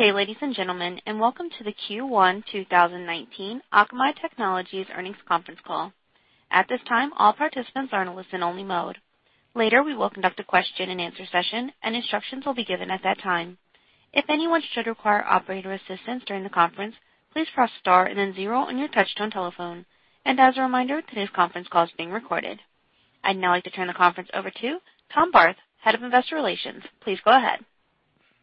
Good day, ladies and gentlemen, and welcome to the Q1 2019 Akamai Technologies earnings conference call. At this time, all participants are in listen-only mode. Later, we will conduct a question and answer session, and instructions will be given at that time. If anyone should require operator assistance during the conference, please press star and then zero on your touch-tone telephone. As a reminder, today's conference call is being recorded. I'd now like to turn the conference over to Tom Barth, Head of Investor Relations. Please go ahead.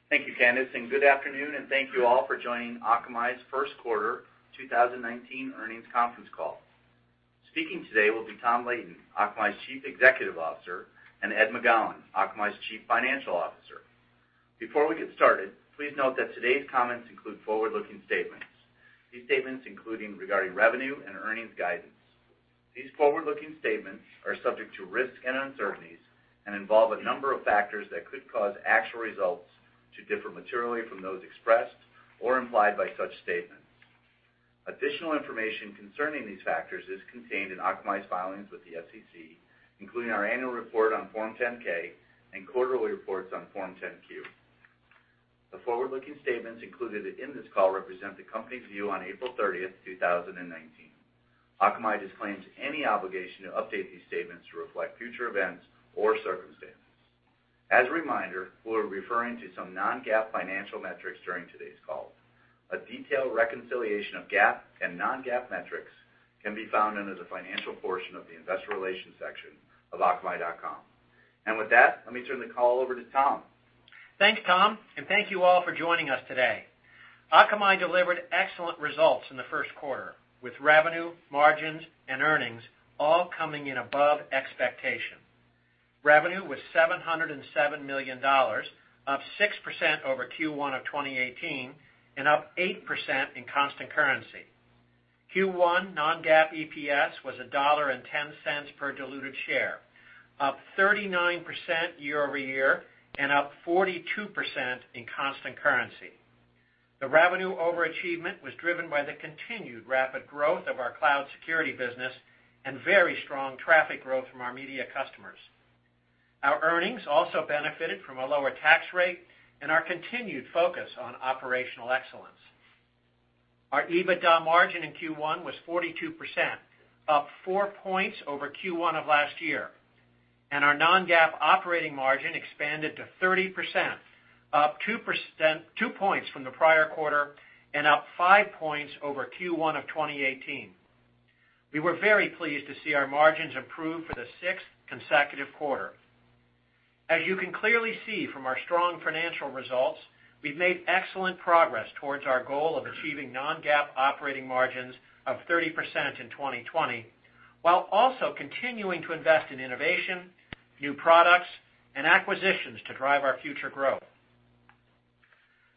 Thank you, Candice, and good afternoon, and thank you all for joining Akamai's first quarter 2019 earnings conference call. Speaking today will be Tom Leighton, Akamai's Chief Executive Officer, and Ed McGowan, Akamai's Chief Financial Officer. Before we get started, please note that today's comments include forward-looking statements. These statements including regarding revenue and earnings guidance. These forward-looking statements are subject to risks and uncertainties and involve a number of factors that could cause actual results to differ materially from those expressed or implied by such statements. Additional information concerning these factors is contained in Akamai's filings with the SEC, including our annual report on Form 10-K and quarterly reports on Form 10-Q. The forward-looking statements included in this call represent the company's view on April 30th, 2019. Akamai disclaims any obligation to update these statements to reflect future events or circumstances. As a reminder, we're referring to some non-GAAP financial metrics during today's call. A detailed reconciliation of GAAP and non-GAAP metrics can be found under the financial portion of the investor relations section of akamai.com. With that, let me turn the call over to Tom. Thanks, Tom, and thank you all for joining us today. Akamai delivered excellent results in the first quarter, with revenue, margins, and earnings all coming in above expectation. Revenue was $707 million, up 6% over Q1 of 2018 and up 8% in constant currency. Q1 non-GAAP EPS was $1.10 per diluted share, up 39% year-over-year and up 42% in constant currency. The revenue overachievement was driven by the continued rapid growth of our cloud security business and very strong traffic growth from our media customers. Our earnings also benefited from a lower tax rate and our continued focus on operational excellence. Our EBITDA margin in Q1 was 42%, up four points over Q1 of last year, and our non-GAAP operating margin expanded to 30%, up two points from the prior quarter and up five points over Q1 of 2018. We were very pleased to see our margins improve for the sixth consecutive quarter. As you can clearly see from our strong financial results, we've made excellent progress towards our goal of achieving non-GAAP operating margins of 30% in 2020, while also continuing to invest in innovation, new products, and acquisitions to drive our future growth.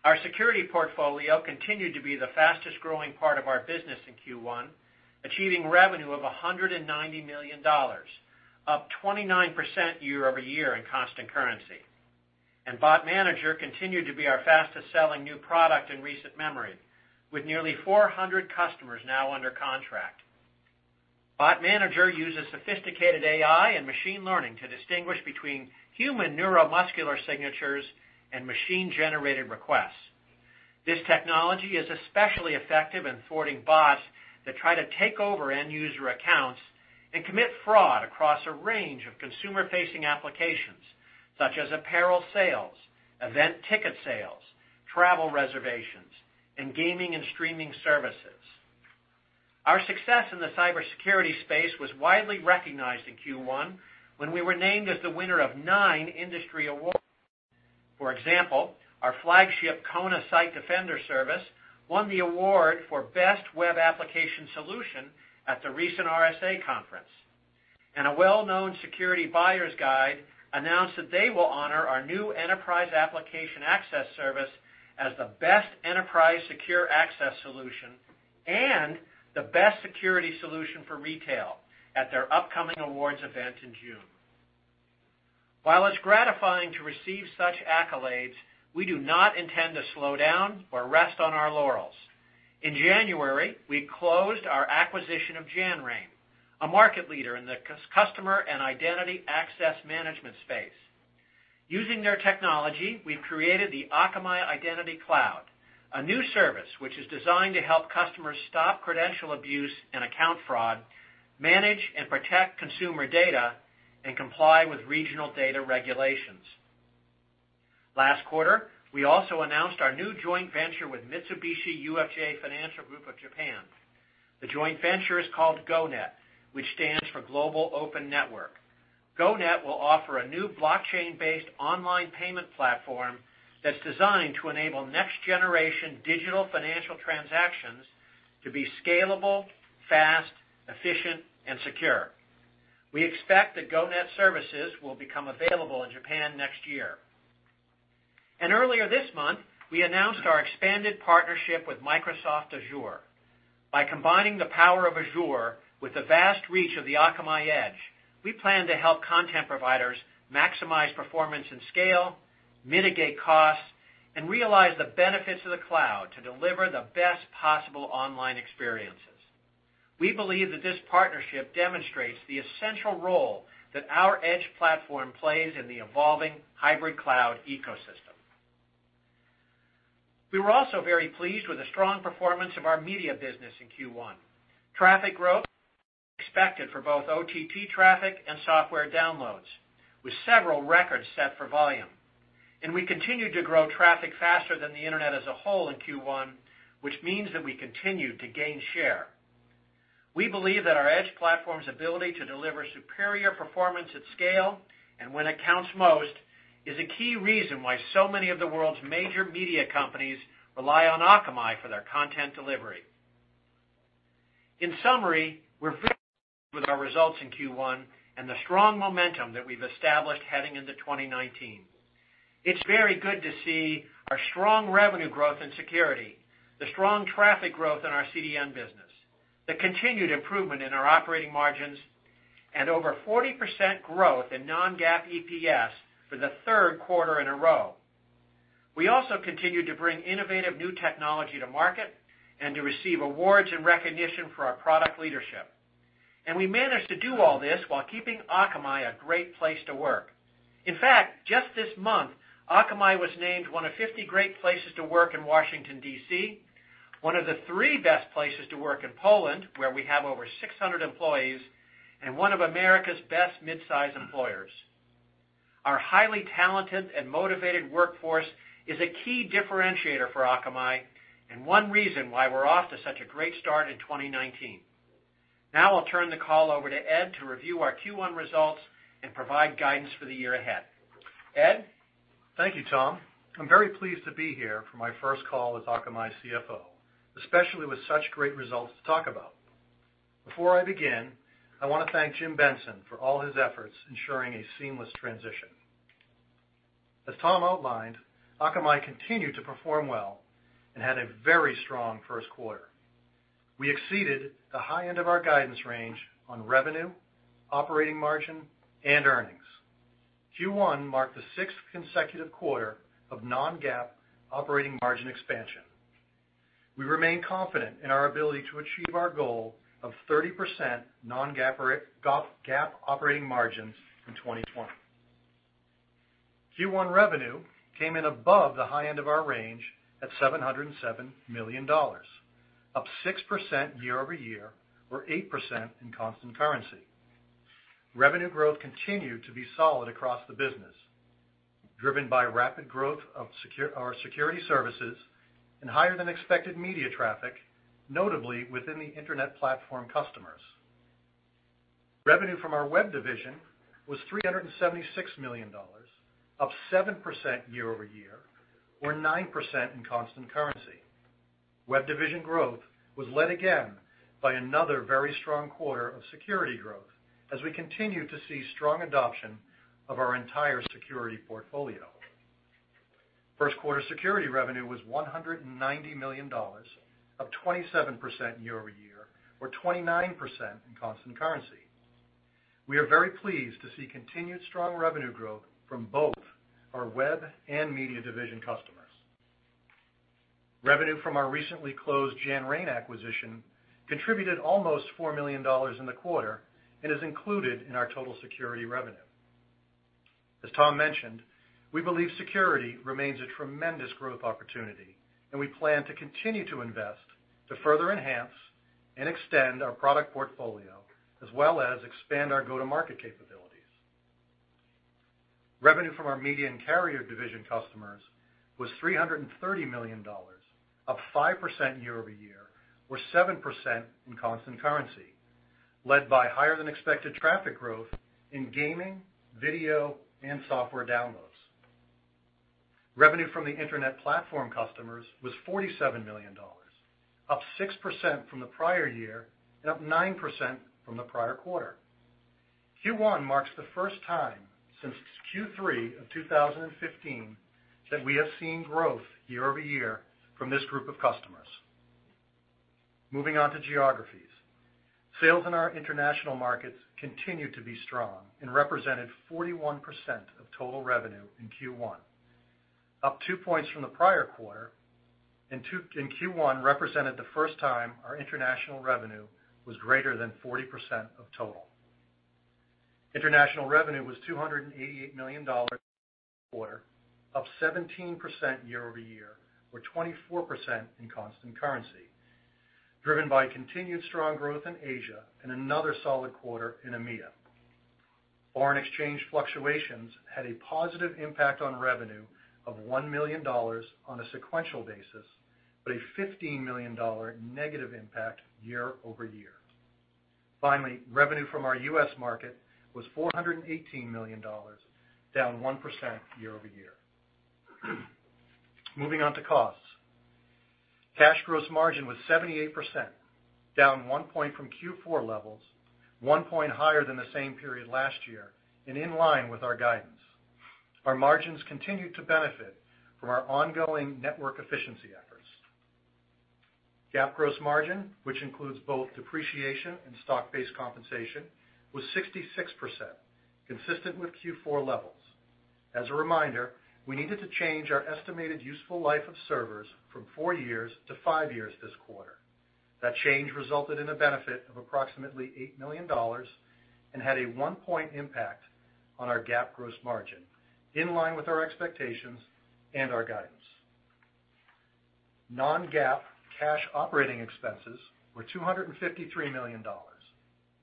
Our security portfolio continued to be the fastest-growing part of our business in Q1, achieving revenue of $190 million, up 29% year-over-year in constant currency. Bot Manager continued to be our fastest-selling new product in recent memory, with nearly 400 customers now under contract. Bot Manager uses sophisticated AI and machine learning to distinguish between human neuromuscular signatures and machine-generated requests. This technology is especially effective in thwarting bots that try to take over end-user accounts and commit fraud across a range of consumer-facing applications, such as apparel sales, event ticket sales, travel reservations, and gaming and streaming services. Our success in the cybersecurity space was widely recognized in Q1 when we were named as the winner of nine industry awards. For example, our flagship Kona Site Defender service won the award for best web application solution at the recent RSA Conference. A well-known security buyer's guide announced that they will honor our new Enterprise Application Access service as the best enterprise secure access solution and the best security solution for retail at their upcoming awards event in June. While it's gratifying to receive such accolades, we do not intend to slow down or rest on our laurels. In January, we closed our acquisition of Janrain, a market leader in the customer and identity access management space. Using their technology, we've created the Akamai Identity Cloud, a new service which is designed to help customers stop credential abuse and account fraud, manage and protect consumer data, and comply with regional data regulations. Last quarter, we also announced our new joint venture with Mitsubishi UFJ Financial Group of Japan. The joint venture is called GO-NET, which stands for Global Open Network. GO-NET will offer a new blockchain-based online payment platform that's designed to enable next-generation digital financial transactions to be scalable, fast, efficient, and secure. We expect that GO-NET services will become available in Japan next year. Earlier this month, we announced our expanded partnership with Microsoft Azure. By combining the power of Azure with the vast reach of the Akamai Edge, we plan to help content providers maximize performance and scale, mitigate costs, and realize the benefits of the cloud to deliver the best possible online experiences. We believe that this partnership demonstrates the essential role that our Edge platform plays in the evolving hybrid cloud ecosystem. We were also very pleased with the strong performance of our media business in Q1. Traffic growth expected for both OTT traffic and software downloads, with several records set for volume. We continued to grow traffic faster than the internet as a whole in Q1, which means that we continued to gain share. We believe that our Edge platform's ability to deliver superior performance at scale, and when it counts most, is a key reason why so many of the world's major media companies rely on Akamai for their content delivery. In summary, we're very pleased with our results in Q1 and the strong momentum that we've established heading into 2019. It's very good to see our strong revenue growth in security, the strong traffic growth in our CDN business, the continued improvement in our operating margins, and over 40% growth in non-GAAP EPS for the third quarter in a row. We also continued to bring innovative new technology to market and to receive awards and recognition for our product leadership. We managed to do all this while keeping Akamai a great place to work. Just this month, Akamai was named one of 50 great places to work in Washington, D.C., one of the three best places to work in Poland, where we have over 600 employees, and one of America's Best Mid-Size Employers. Our highly talented and motivated workforce is a key differentiator for Akamai, and one reason why we're off to such a great start in 2019. Now I'll turn the call over to Ed to review our Q1 results and provide guidance for the year ahead. Ed. Thank you, Tom. I'm very pleased to be here for my first call as Akamai's CFO, especially with such great results to talk about. Before I begin, I want to thank Jim Benson for all his efforts ensuring a seamless transition. As Tom outlined, Akamai continued to perform well and had a very strong first quarter. We exceeded the high end of our guidance range on revenue, operating margin, and earnings. Q1 marked the sixth consecutive quarter of non-GAAP operating margin expansion. We remain confident in our ability to achieve our goal of 30% non-GAAP operating margins in 2020. Q1 revenue came in above the high end of our range at $707 million, up 6% year-over-year, or 8% in constant currency. Revenue growth continued to be solid across the business, driven by rapid growth of our security services and higher than expected media traffic, notably within the Internet platform customers. Revenue from our Web division was $376 million, up 7% year-over-year, or 9% in constant currency. Web division growth was led again by another very strong quarter of security growth as we continue to see strong adoption of our entire security portfolio. First quarter security revenue was $190 million, up 27% year-over-year, or 29% in constant currency. We are very pleased to see continued strong revenue growth from both our Web and Media division customers. Revenue from our recently closed Janrain acquisition contributed almost $4 million in the quarter and is included in our total security revenue. As Tom Leighton mentioned, we believe security remains a tremendous growth opportunity, and we plan to continue to invest to further enhance and extend our product portfolio, as well as expand our go-to-market capabilities. Revenue from our media and carrier division customers was $330 million, up 5% year-over-year, or 7% in constant currency, led by higher than expected traffic growth in gaming, video, and software downloads. Revenue from the internet platform customers was $47 million, up 6% from the prior year and up 9% from the prior quarter. Q1 marks the first time since Q3 of 2015 that we have seen growth year-over-year from this group of customers. Moving on to geographies. Sales in our international markets continued to be strong and represented 41% of total revenue in Q1, up two points from the prior quarter, and Q1 represented the first time our international revenue was greater than 40% of total. International revenue was $288 million this quarter, up 17% year-over-year, or 24% in constant currency, driven by continued strong growth in Asia and another solid quarter in EMEA. Foreign exchange fluctuations had a positive impact on revenue of $1 million on a sequential basis, but a $15 million negative impact year-over-year. Finally, revenue from our U.S. market was $418 million, down 1% year-over-year. Moving on to costs. Cash gross margin was 78%, down one point from Q4 levels, one point higher than the same period last year, and in line with our guidance. Our margins continued to benefit from our ongoing network efficiency efforts. GAAP gross margin, which includes both depreciation and stock-based compensation, was 66%, consistent with Q4 levels. As a reminder, we needed to change our estimated useful life of servers from four years to five years this quarter. That change resulted in a benefit of approximately $8 million and had a one-point impact on our GAAP gross margin, in line with our expectations and our guidance. Non-GAAP cash operating expenses were $253 million,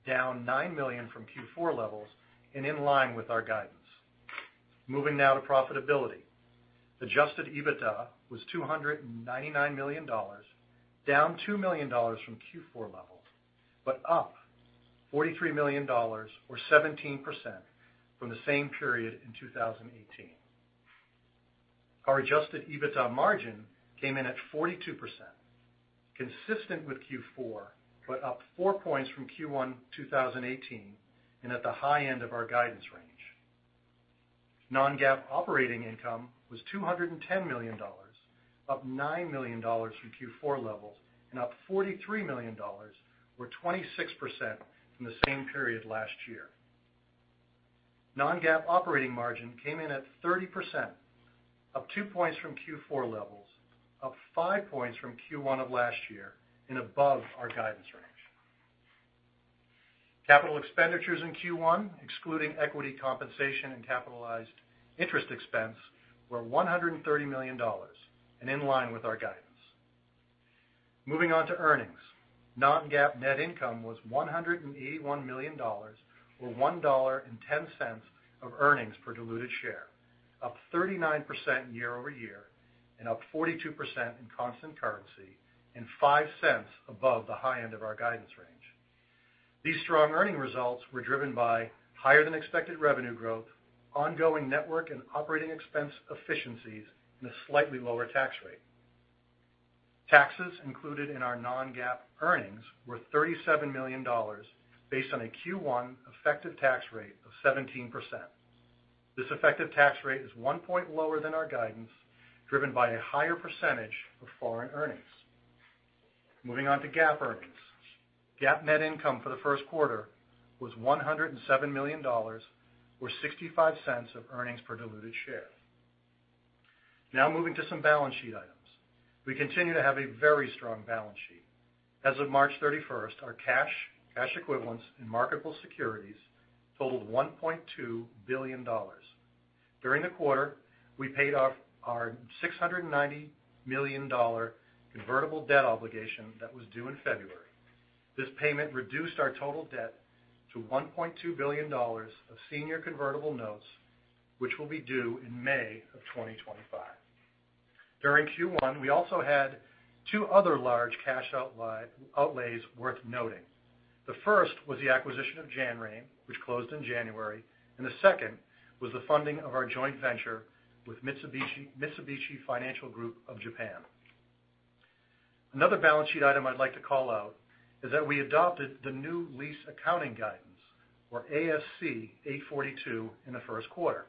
down $9 million from Q4 levels and in line with our guidance. Moving now to profitability. Adjusted EBITDA was $299 million, down $2 million from Q4 levels, but up $43 million or 17% from the same period in 2018. Our adjusted EBITDA margin came in at 42%, consistent with Q4, but up four points from Q1 2018, and at the high end of our guidance range. Non-GAAP operating income was $210 million, up $9 million from Q4 levels and up $43 million or 26% from the same period last year. Non-GAAP operating margin came in at 30%, up two points from Q4 levels, up five points from Q1 of last year, and above our guidance range. Capital expenditures in Q1, excluding equity compensation and capitalized interest expense, were $130 million and in line with our guidance. Moving on to earnings. Non-GAAP net income was $181 million, or $1.10 of earnings per diluted share, up 39% year-over-year and up 42% in constant currency, and $0.05 above the high end of our guidance range. These strong earning results were driven by higher than expected revenue growth, ongoing network and operating expense efficiencies, and a slightly lower tax rate. Taxes included in our non-GAAP earnings were $37 million based on a Q1 effective tax rate of 17%. This effective tax rate is one point lower than our guidance, driven by a higher percentage of foreign earnings. Moving on to GAAP earnings. GAAP net income for the first quarter was $107 million, or $0.65 of earnings per diluted share. Moving to some balance sheet items. We continue to have a very strong balance sheet. As of March 31st, our cash equivalents, and marketable securities totaled $1.2 billion. During the quarter, we paid off our $690 million convertible debt obligation that was due in February. This payment reduced our total debt to $1.2 billion of senior convertible notes, which will be due in May of 2025. During Q1, we also had 2 other large cash outlays worth noting. The first was the acquisition of Janrain, which closed in January, and the 2nd was the funding of our joint venture with Mitsubishi UFJ Financial Group of Japan. Another balance sheet item I'd like to call out is that we adopted the new lease accounting guidance for ASC 842 in the first quarter.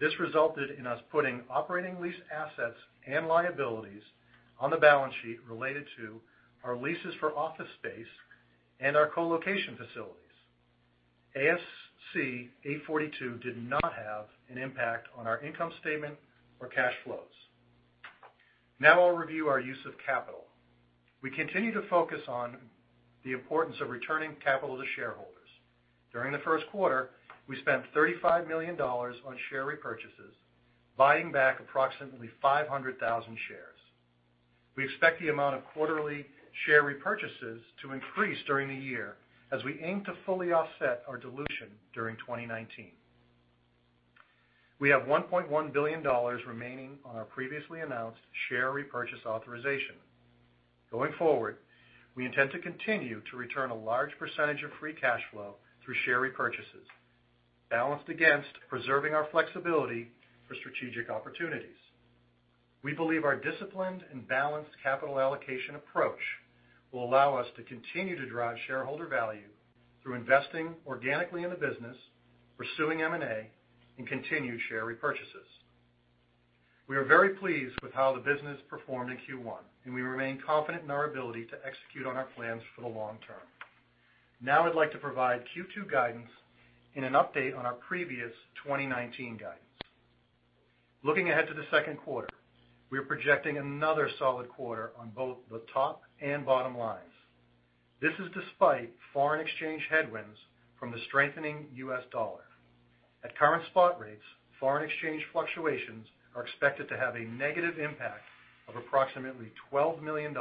This resulted in us putting operating lease assets and liabilities on the balance sheet related to our leases for office space and our co-location facilities. ASC 842 did not have an impact on our income statement or cash flows. I'll review our use of capital. We continue to focus on the importance of returning capital to shareholders. During the first quarter, we spent $35 million on share repurchases, buying back approximately 500,000 shares. We expect the amount of quarterly share repurchases to increase during the year as we aim to fully offset our dilution during 2019. We have $1.1 billion remaining on our previously announced share repurchase authorization. Going forward, we intend to continue to return a large percentage of free cash flow through share repurchases, balanced against preserving our flexibility for strategic opportunities. We believe our disciplined and balanced capital allocation approach will allow us to continue to drive shareholder value through investing organically in the business, pursuing M&A, and continued share repurchases. We are very pleased with how the business performed in Q1, and we remain confident in our ability to execute on our plans for the long term. I'd like to provide Q2 guidance and an update on our previous 2019 guidance. Looking ahead to the second quarter, we are projecting another solid quarter on both the top and bottom lines. This is despite foreign exchange headwinds from the strengthening U.S. dollar. At current spot rates, foreign exchange fluctuations are expected to have a negative impact of approximately $12 million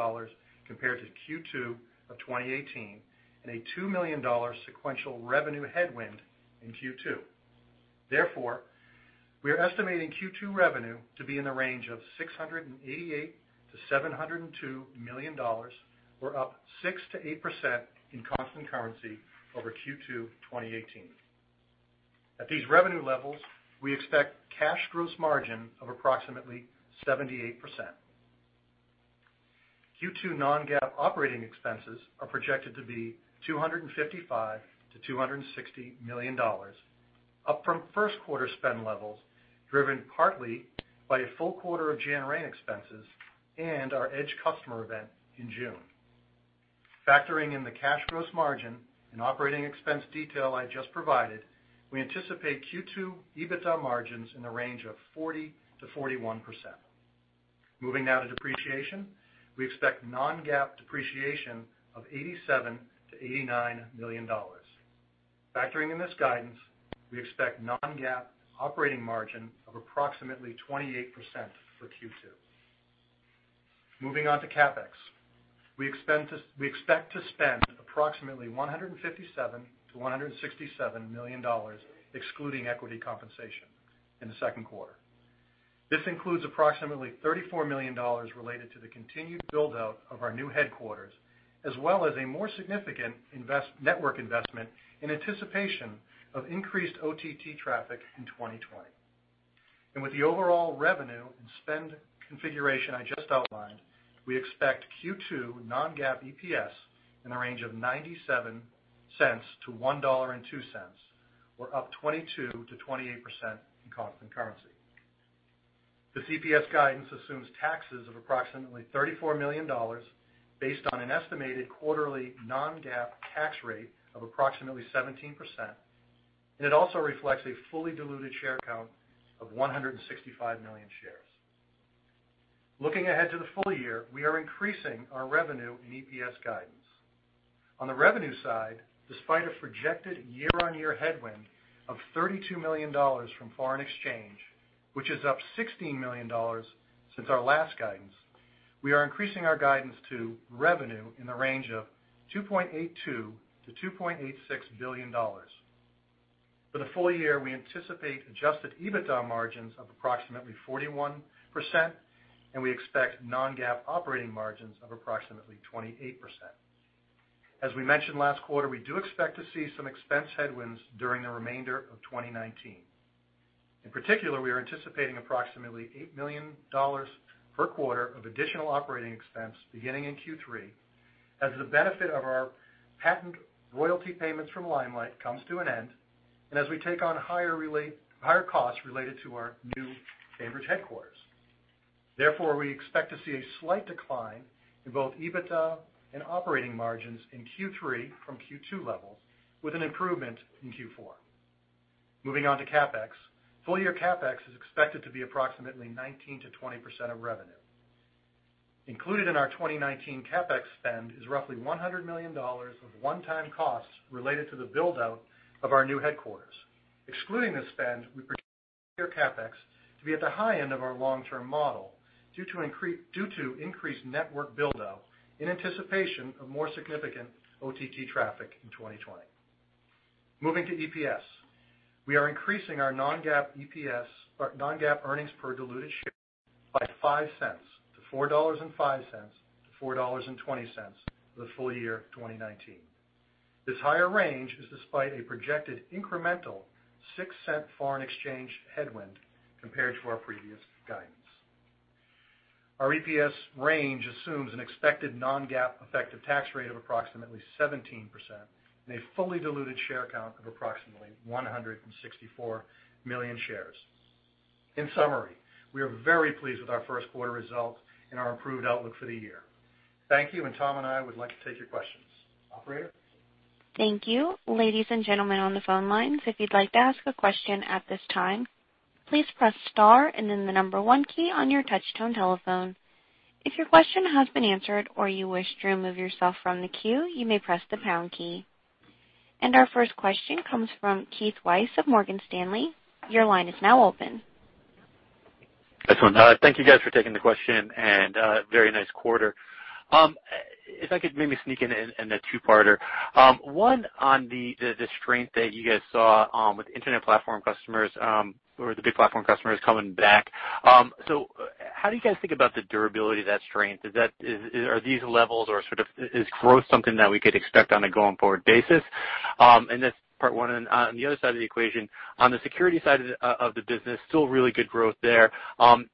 compared to Q2 of 2018, and a $2 million sequential revenue headwind in Q2. Therefore, we are estimating Q2 revenue to be in the range of $688 million to $702 million, or up 6%-8% in constant currency over Q2 2018. At these revenue levels, we expect cash gross margin of approximately 78%. Q2 non-GAAP operating expenses are projected to be $255 million to $260 million, up from first quarter spend levels, driven partly by a full quarter of Janrain expenses and our Edge customer event in June. Factoring in the cash gross margin and operating expense detail I just provided, we anticipate Q2 EBITDA margins in the range of 40%-41%. Moving to depreciation. We expect non-GAAP depreciation of $87 million to $89 million. Factoring in this guidance, we expect non-GAAP operating margin of approximately 28% for Q2. Moving on to CapEx. We expect to spend approximately $157 million-$167 million, excluding equity compensation in the second quarter. This includes approximately $34 million related to the continued build-out of our new headquarters, as well as a more significant network investment in anticipation of increased OTT traffic in 2020. With the overall revenue and spend configuration I just outlined, we expect Q2 non-GAAP EPS in the range of $0.97-$1.02, or up 22%-28% in constant currency. This EPS guidance assumes taxes of approximately $34 million, based on an estimated quarterly non-GAAP tax rate of approximately 17%, and it also reflects a fully diluted share count of 165 million shares. Looking ahead to the full year, we are increasing our revenue and EPS guidance. On the revenue side, despite a projected year-over-year headwind of $32 million from foreign exchange, which is up $16 million since our last guidance, we are increasing our guidance to revenue in the range of $2.82 billion-$2.86 billion. For the full year, we anticipate adjusted EBITDA margins of approximately 41% and we expect non-GAAP operating margins of approximately 28%. As we mentioned last quarter, we do expect to see some expense headwinds during the remainder of 2019. In particular, we are anticipating approximately $8 million per quarter of additional operating expense beginning in Q3 as the benefit of our patent royalty payments from Limelight comes to an end, and as we take on higher costs related to our new Cambridge headquarters. Therefore, we expect to see a slight decline in both EBITDA and operating margins in Q3 from Q2 levels, with an improvement in Q4. Moving on to CapEx. Full year CapEx is expected to be approximately 19%-20% of revenue. Included in our 2019 CapEx spend is roughly $100 million of one-time costs related to the build-out of our new headquarters. Excluding this spend, we predict full year CapEx to be at the high end of our long-term model due to increased network buildout in anticipation of more significant OTT traffic in 2020. Moving to EPS. We are increasing our non-GAAP earnings per diluted share by $0.05 to $4.05-$4.20 for the full year 2019. This higher range is despite a projected incremental $0.06 foreign exchange headwind compared to our previous guidance. Our EPS range assumes an expected non-GAAP effective tax rate of approximately 17% and a fully diluted share count of approximately 164 million shares. In summary, we are very pleased with our first quarter results and our improved outlook for the year. Thank you. Tom and I would like to take your questions. Operator? Thank you. Ladies and gentlemen on the phone lines, if you'd like to ask a question at this time, please press star and then the number one key on your touch-tone telephone. If your question has been answered or you wish to remove yourself from the queue, you may press the pound key. Our first question comes from Keith Weiss of Morgan Stanley. Your line is now open. Excellent. Thank you guys for taking the question, and very nice quarter. If I could maybe sneak in a two-parter. One on the strength that you guys saw with internet platform customers or the big platform customers coming back. How do you guys think about the durability of that strength? Are these levels or is growth something that we could expect on a going forward basis? That's part one. On the other side of the equation, on the security side of the business, still really good growth there.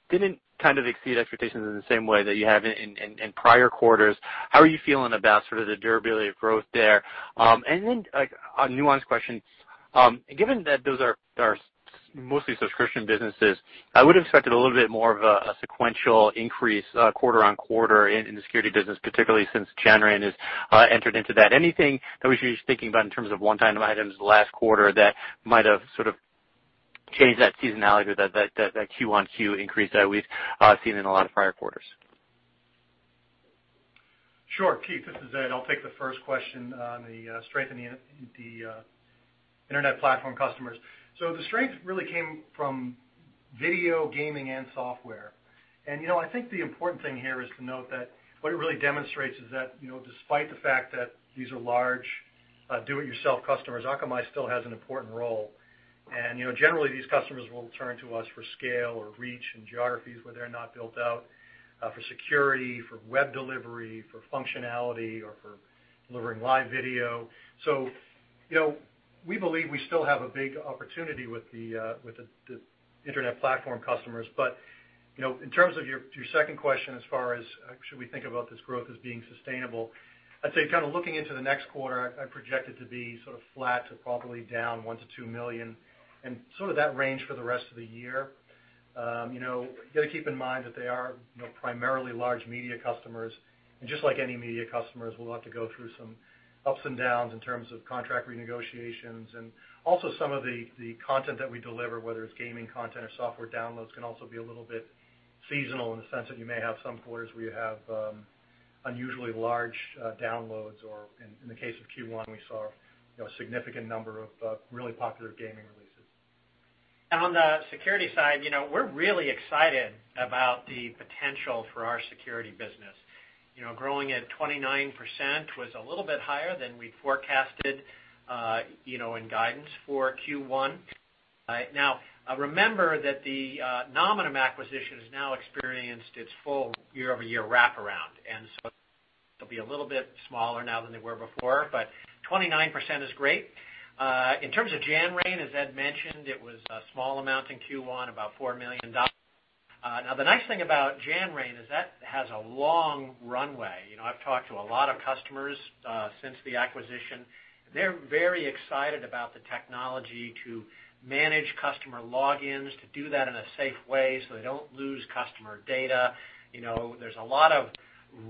Didn't kind of exceed expectations in the same way that you have in prior quarters. How are you feeling about sort of the durability of growth there? Then a nuanced question. Given that those are mostly subscription businesses, I would have expected a little bit more of a sequential increase quarter-on-quarter in the security business, particularly since Janrain has entered into that. Anything that we should be thinking about in terms of one-time items last quarter that might have sort of changed that seasonality or that Q-on-Q increase that we've seen in a lot of prior quarters? Sure, Keith, this is Ed. I'll take the first question on the strength in the internet platform customers. The strength really came from video gaming and software. I think the important thing here is to note that what it really demonstrates is that despite the fact that these are large do-it-yourself customers, Akamai still has an important role. Generally, these customers will turn to us for scale or reach in geographies where they're not built out, for security, for web delivery, for functionality, or for delivering live video. We believe we still have a big opportunity with the internet platform customers. In terms of your second question, as far as should we think about this growth as being sustainable, I'd say Looking into the next quarter, I project it to be sort of flat to probably down $1 million-$2 million, and sort of that range for the rest of the year. You got to keep in mind that they are primarily large media customers, and just like any media customers, we'll have to go through some ups and downs in terms of contract renegotiations, and also some of the content that we deliver, whether it's gaming content or software downloads, can also be a little bit seasonal in the sense that you may have some quarters where you have unusually large downloads or, in the case of Q1, we saw a significant number of really popular gaming releases. On the security side, we're really excited about the potential for our security business. Growing at 29% was a little bit higher than we forecasted in guidance for Q1. Remember that the Nominum acquisition has now experienced its full year-over-year wraparound, and so they'll be a little bit smaller now than they were before, but 29% is great. In terms of Janrain, as Ed mentioned, it was a small amount in Q1, about $4 million. The nice thing about Janrain is that has a long runway. I've talked to a lot of customers since the acquisition. They're very excited about the technology to manage customer logins, to do that in a safe way so they don't lose customer data. There's a lot of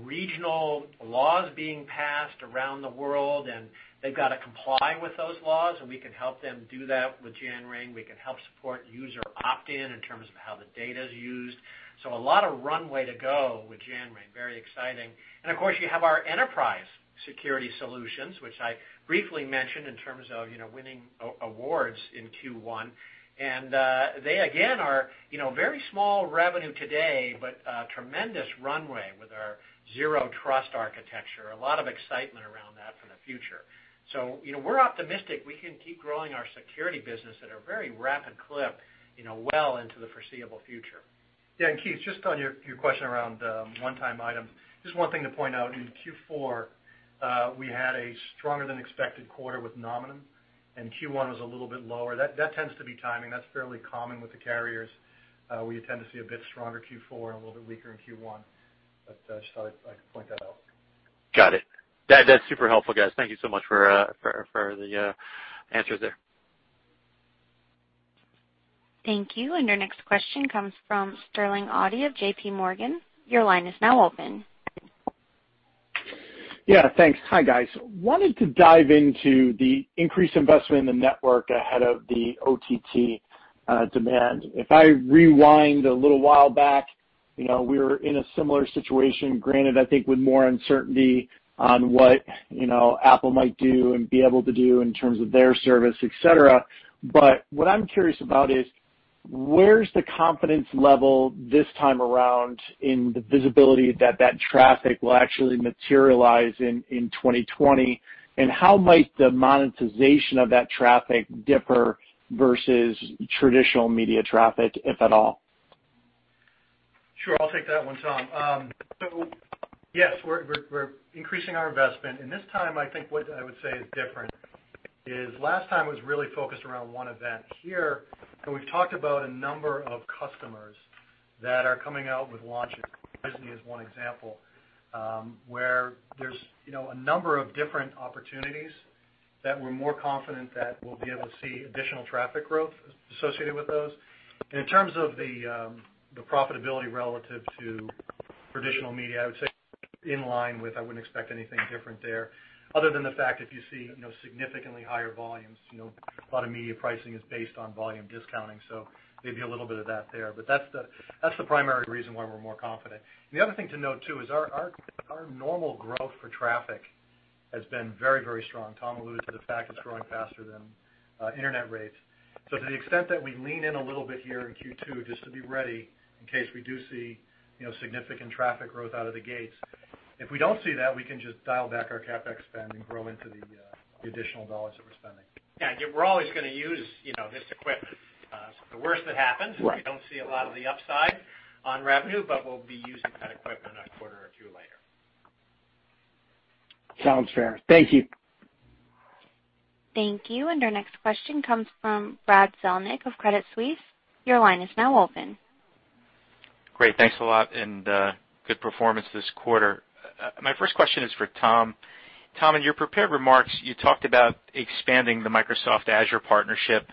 regional laws being passed around the world, and they've got to comply with those laws, and we can help them do that with Janrain. We can help support user opt-in in terms of how the data is used. A lot of runway to go with Janrain. Very exciting. Of course, you have our enterprise security solutions, which I briefly mentioned in terms of winning awards in Q1. They, again, are very small revenue today, but a tremendous runway with our zero trust architecture. A lot of excitement around that for the future. We're optimistic we can keep growing our security business at a very rapid clip well into the foreseeable future. Keith, just on your question around one-time items. Just one thing to point out. In Q4, we had a stronger than expected quarter with Nominum, and Q1 was a little bit lower. That tends to be timing. That's fairly common with the carriers. We tend to see a bit stronger Q4 and a little bit weaker in Q1, but just thought I'd point that out. Got it. That's super helpful, guys. Thank you so much for the answers there. Thank you. Our next question comes from Sterling Auty of JPMorgan. Your line is now open. Yeah, thanks. Hi, guys. Wanted to dive into the increased investment in the network ahead of the OTT demand. If I rewind a little while back, we were in a similar situation, granted, I think with more uncertainty on what Apple might do and be able to do in terms of their service, et cetera. What I'm curious about is where's the confidence level this time around in the visibility that traffic will actually materialize in 2020, and how might the monetization of that traffic differ versus traditional media traffic, if at all? Sure, I'll take that one, Tom. Yes, we're increasing our investment, and this time, I think what I would say is different is last time was really focused around one event. Here, we've talked about a number of customers that are coming out with launches, Disney as one example, where there's a number of different opportunities that we're more confident that we'll be able to see additional traffic growth associated with those. In terms of the profitability relative to traditional media, I would say in line with, I wouldn't expect anything different there other than the fact if you see significantly higher volumes, a lot of media pricing is based on volume discounting, so maybe a little bit of that there. That's the primary reason why we're more confident. The other thing to note, too, is our normal growth for traffic has been very strong. Tom alluded to the fact it's growing faster than internet rates. To the extent that we lean in a little bit here in Q2 just to be ready in case we do see significant traffic growth out of the gates. If we don't see that, we can just dial back our CapEx spend and grow into the additional dollars that we're spending. Yeah, we're always going to use this equipment. The worst that happens. Right We don't see a lot of the upside on revenue, but we'll be using that equipment a quarter or two later. Sounds fair. Thank you. Thank you. Our next question comes from Brad Zelnick of Credit Suisse. Your line is now open. Great. Thanks a lot, and good performance this quarter. My first question is for Tom. Tom, in your prepared remarks, you talked about expanding the Microsoft Azure partnership,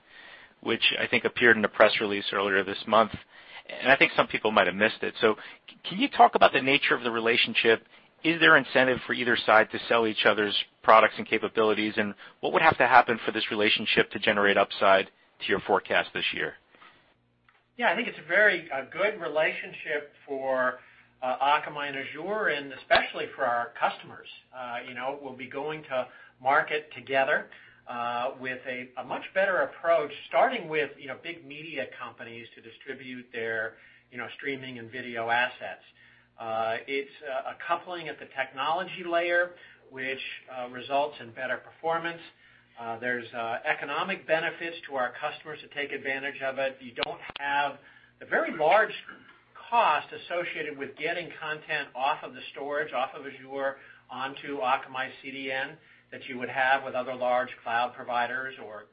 which I think appeared in the press release earlier this month. I think some people might have missed it. Can you talk about the nature of the relationship? Is there incentive for either side to sell each other's products and capabilities? What would have to happen for this relationship to generate upside to your forecast this year? I think it's a very good relationship for Akamai and Azure, especially for our customers. We'll be going to market together, with a much better approach, starting with big media companies to distribute their streaming and video assets. It's a coupling at the technology layer, which results in better performance. There's economic benefits to our customers who take advantage of it. You don't have the very large cost associated with getting content off of the storage, off of Azure, onto Akamai CDN that you would have with other large cloud providers or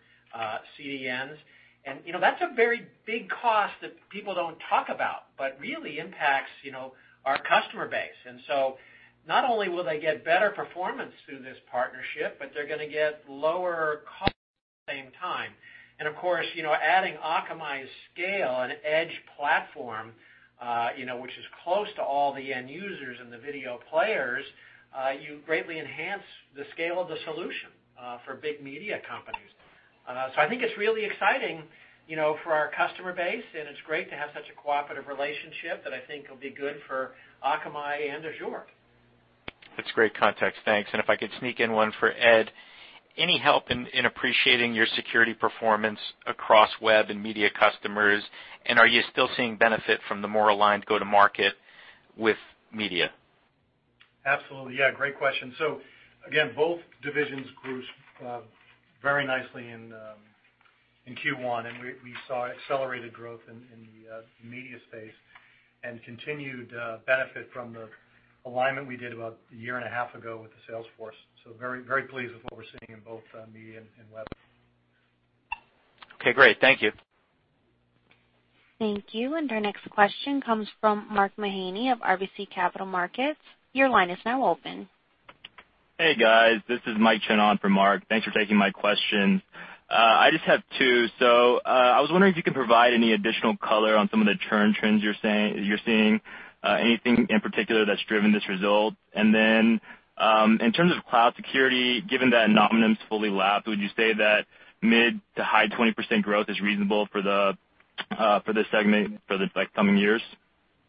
CDNs. That's a very big cost that people don't talk about, but really impacts our customer base. Not only will they get better performance through this partnership, but they're going to get lower costs at the same time. Of course, adding Akamai's scale and edge platform, which is close to all the end users and the video players, you greatly enhance the scale of the solution for big media companies. I think it's really exciting for our customer base, and it's great to have such a cooperative relationship that I think will be good for Akamai and Azure. That's great context. Thanks. If I could sneak in one for Ed. Any help in appreciating your security performance across web and media customers, and are you still seeing benefit from the more aligned go-to-market with media? Absolutely. Yeah, great question. Again, both divisions grew very nicely in Q1, we saw accelerated growth in the media space and continued benefit from the alignment we did about a year and a half ago with the sales force. Very pleased with what we're seeing in both media and web. Okay, great. Thank you. Thank you. Our next question comes from Mark Mahaney of RBC Capital Markets. Your line is now open. Hey, guys. This is Mike Chan on for Mark. Thanks for taking my questions. I just have two. I was wondering if you could provide any additional color on some of the churn trends you're seeing, anything in particular that's driven this result? In terms of cloud security, given that Nominum's fully lapped, would you say that mid to high 20% growth is reasonable for this segment for the coming years?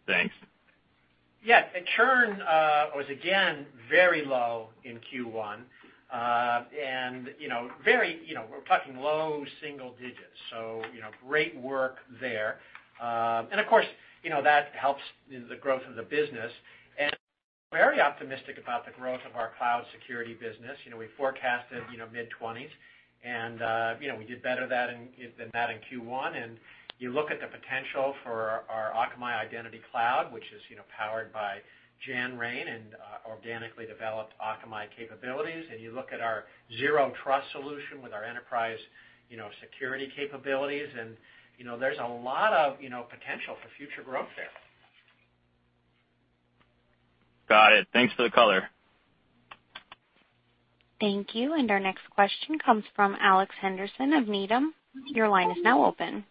Thanks. Yes. The churn was again very low in Q1. We're talking low single digits, so great work there. Of course, that helps in the growth of the business. We're very optimistic about the growth of our cloud security business. We forecasted mid-20s, and we did better than that in Q1. You look at the potential for our Akamai Identity Cloud, which is powered by Janrain and organically developed Akamai capabilities, and you look at our Zero Trust solution with our enterprise security capabilities, and there's a lot of potential for future growth there. Got it. Thanks for the color. Thank you. Our next question comes from Alex Henderson of Needham. Your line is now open.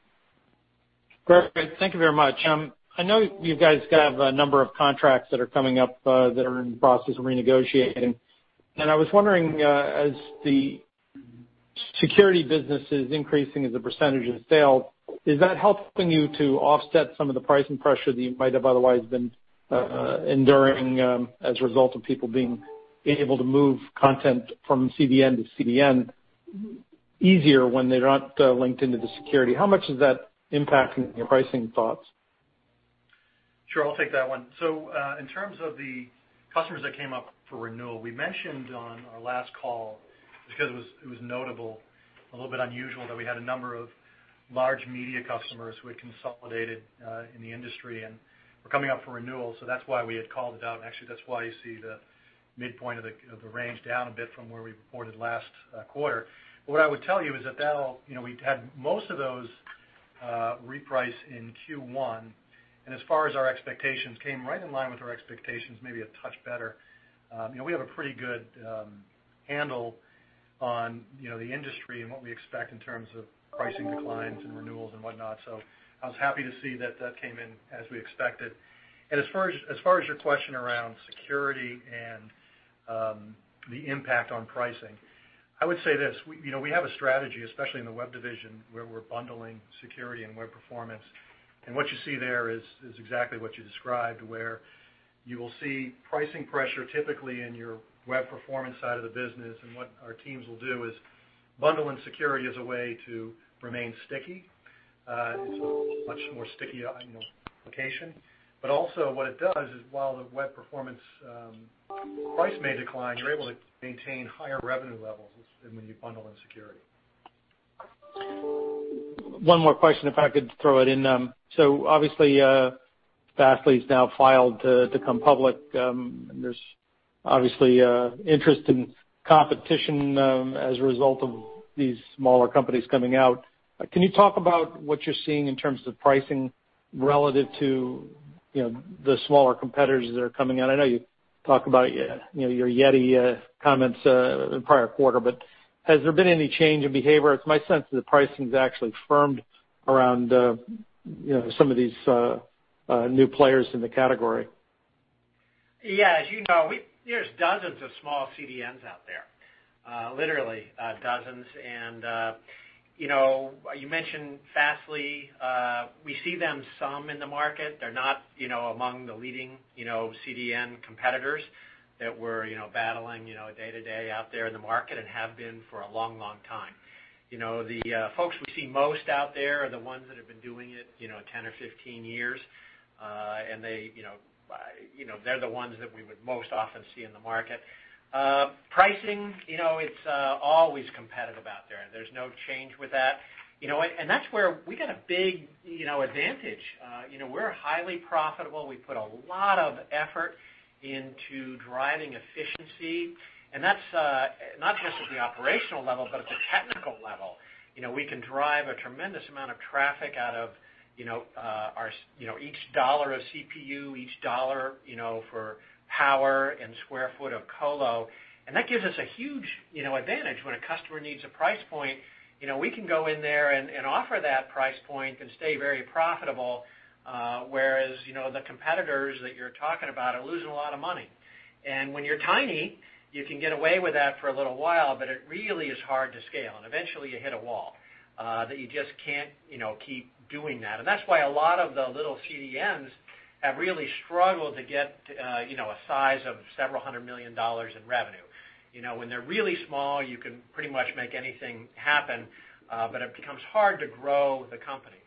Great. Thank you very much. I know you guys have a number of contracts that are coming up that are in the process of renegotiating. I was wondering, as the security business is increasing as a percentage of the sale, is that helping you to offset some of the pricing pressure that you might have otherwise been enduring, as a result of people being able to move content from CDN to CDN easier when they're not linked into the security? How much is that impacting your pricing thoughts? Sure. I'll take that one. In terms of the customers that came up for renewal, we mentioned on our last call, because it was notable, a little bit unusual that we had a number of large media customers who had consolidated in the industry and were coming up for renewal, so that's why we had called it out, and actually, that's why you see the midpoint of the range down a bit from where we reported last quarter. What I would tell you is that we had most of those reprice in Q1, and as far as our expectations, came right in line with our expectations, maybe a touch better. We have a pretty good handle on the industry and what we expect in terms of pricing declines and renewals and whatnot. I was happy to see that that came in as we expected. As far as your question around security and the impact on pricing, I would say this, we have a strategy, especially in the web division, where we're bundling security and web performance. What you see there is exactly what you described, where you will see pricing pressure typically in your web performance side of the business. What our teams will do is bundle in security as a way to remain sticky. It's a much more sticky application. Also what it does is while the web performance price may decline, you're able to maintain higher revenue levels when you bundle in security. One more question if I could throw it in. Obviously, Fastly's now filed to become public. There's obviously interest in competition as a result of these smaller companies coming out. Can you talk about what you're seeing in terms of pricing relative to the smaller competitors that are coming out? I know you talk about your Yeti comments in the prior quarter, but has there been any change in behavior? It's my sense that the pricing's actually firmed around some of these new players in the category. Yeah. As you know, there's dozens of small CDNs out there. Literally dozens. You mentioned Fastly. We see them some in the market. They're not among the leading CDN competitors that we're battling day to day out there in the market and have been for a long time. The folks we see most out there are the ones that have been doing it 10 or 15 years. They're the ones that we would most often see in the market. Pricing, it's always competitive out there. There's no change with that. That's where we got a big advantage. We're highly profitable. We put a lot of effort into driving efficiency. That's not just at the operational level, but at the technical level. We can drive a tremendous amount of traffic out of each dollar of CPU, each dollar for power and square foot of colo. That gives us a huge advantage. When a customer needs a price point, we can go in there and offer that price point and stay very profitable. Whereas, the competitors that you're talking about are losing a lot of money. When you're tiny, you can get away with that for a little while, but it really is hard to scale, and eventually you hit a wall, that you just can't keep doing that. That's why a lot of the little CDNs have really struggled to get a size of several hundred million dollars in revenue. When they're really small, you can pretty much make anything happen. It becomes hard to grow the company.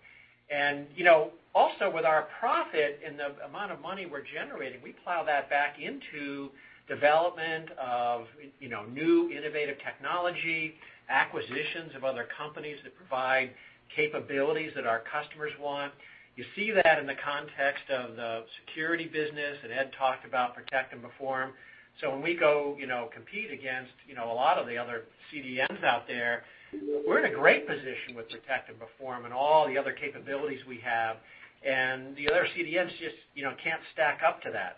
Also with our profit and the amount of money we're generating, we plow that back into development of new innovative technology, acquisitions of other companies that provide capabilities that our customers want. You see that in the context of the security business that Ed talked about, Protect and Perform. When we go compete against a lot of the other CDNs out there, we're in a great position with Protect and Perform and all the other capabilities we have. The other CDNs just can't stack up to that.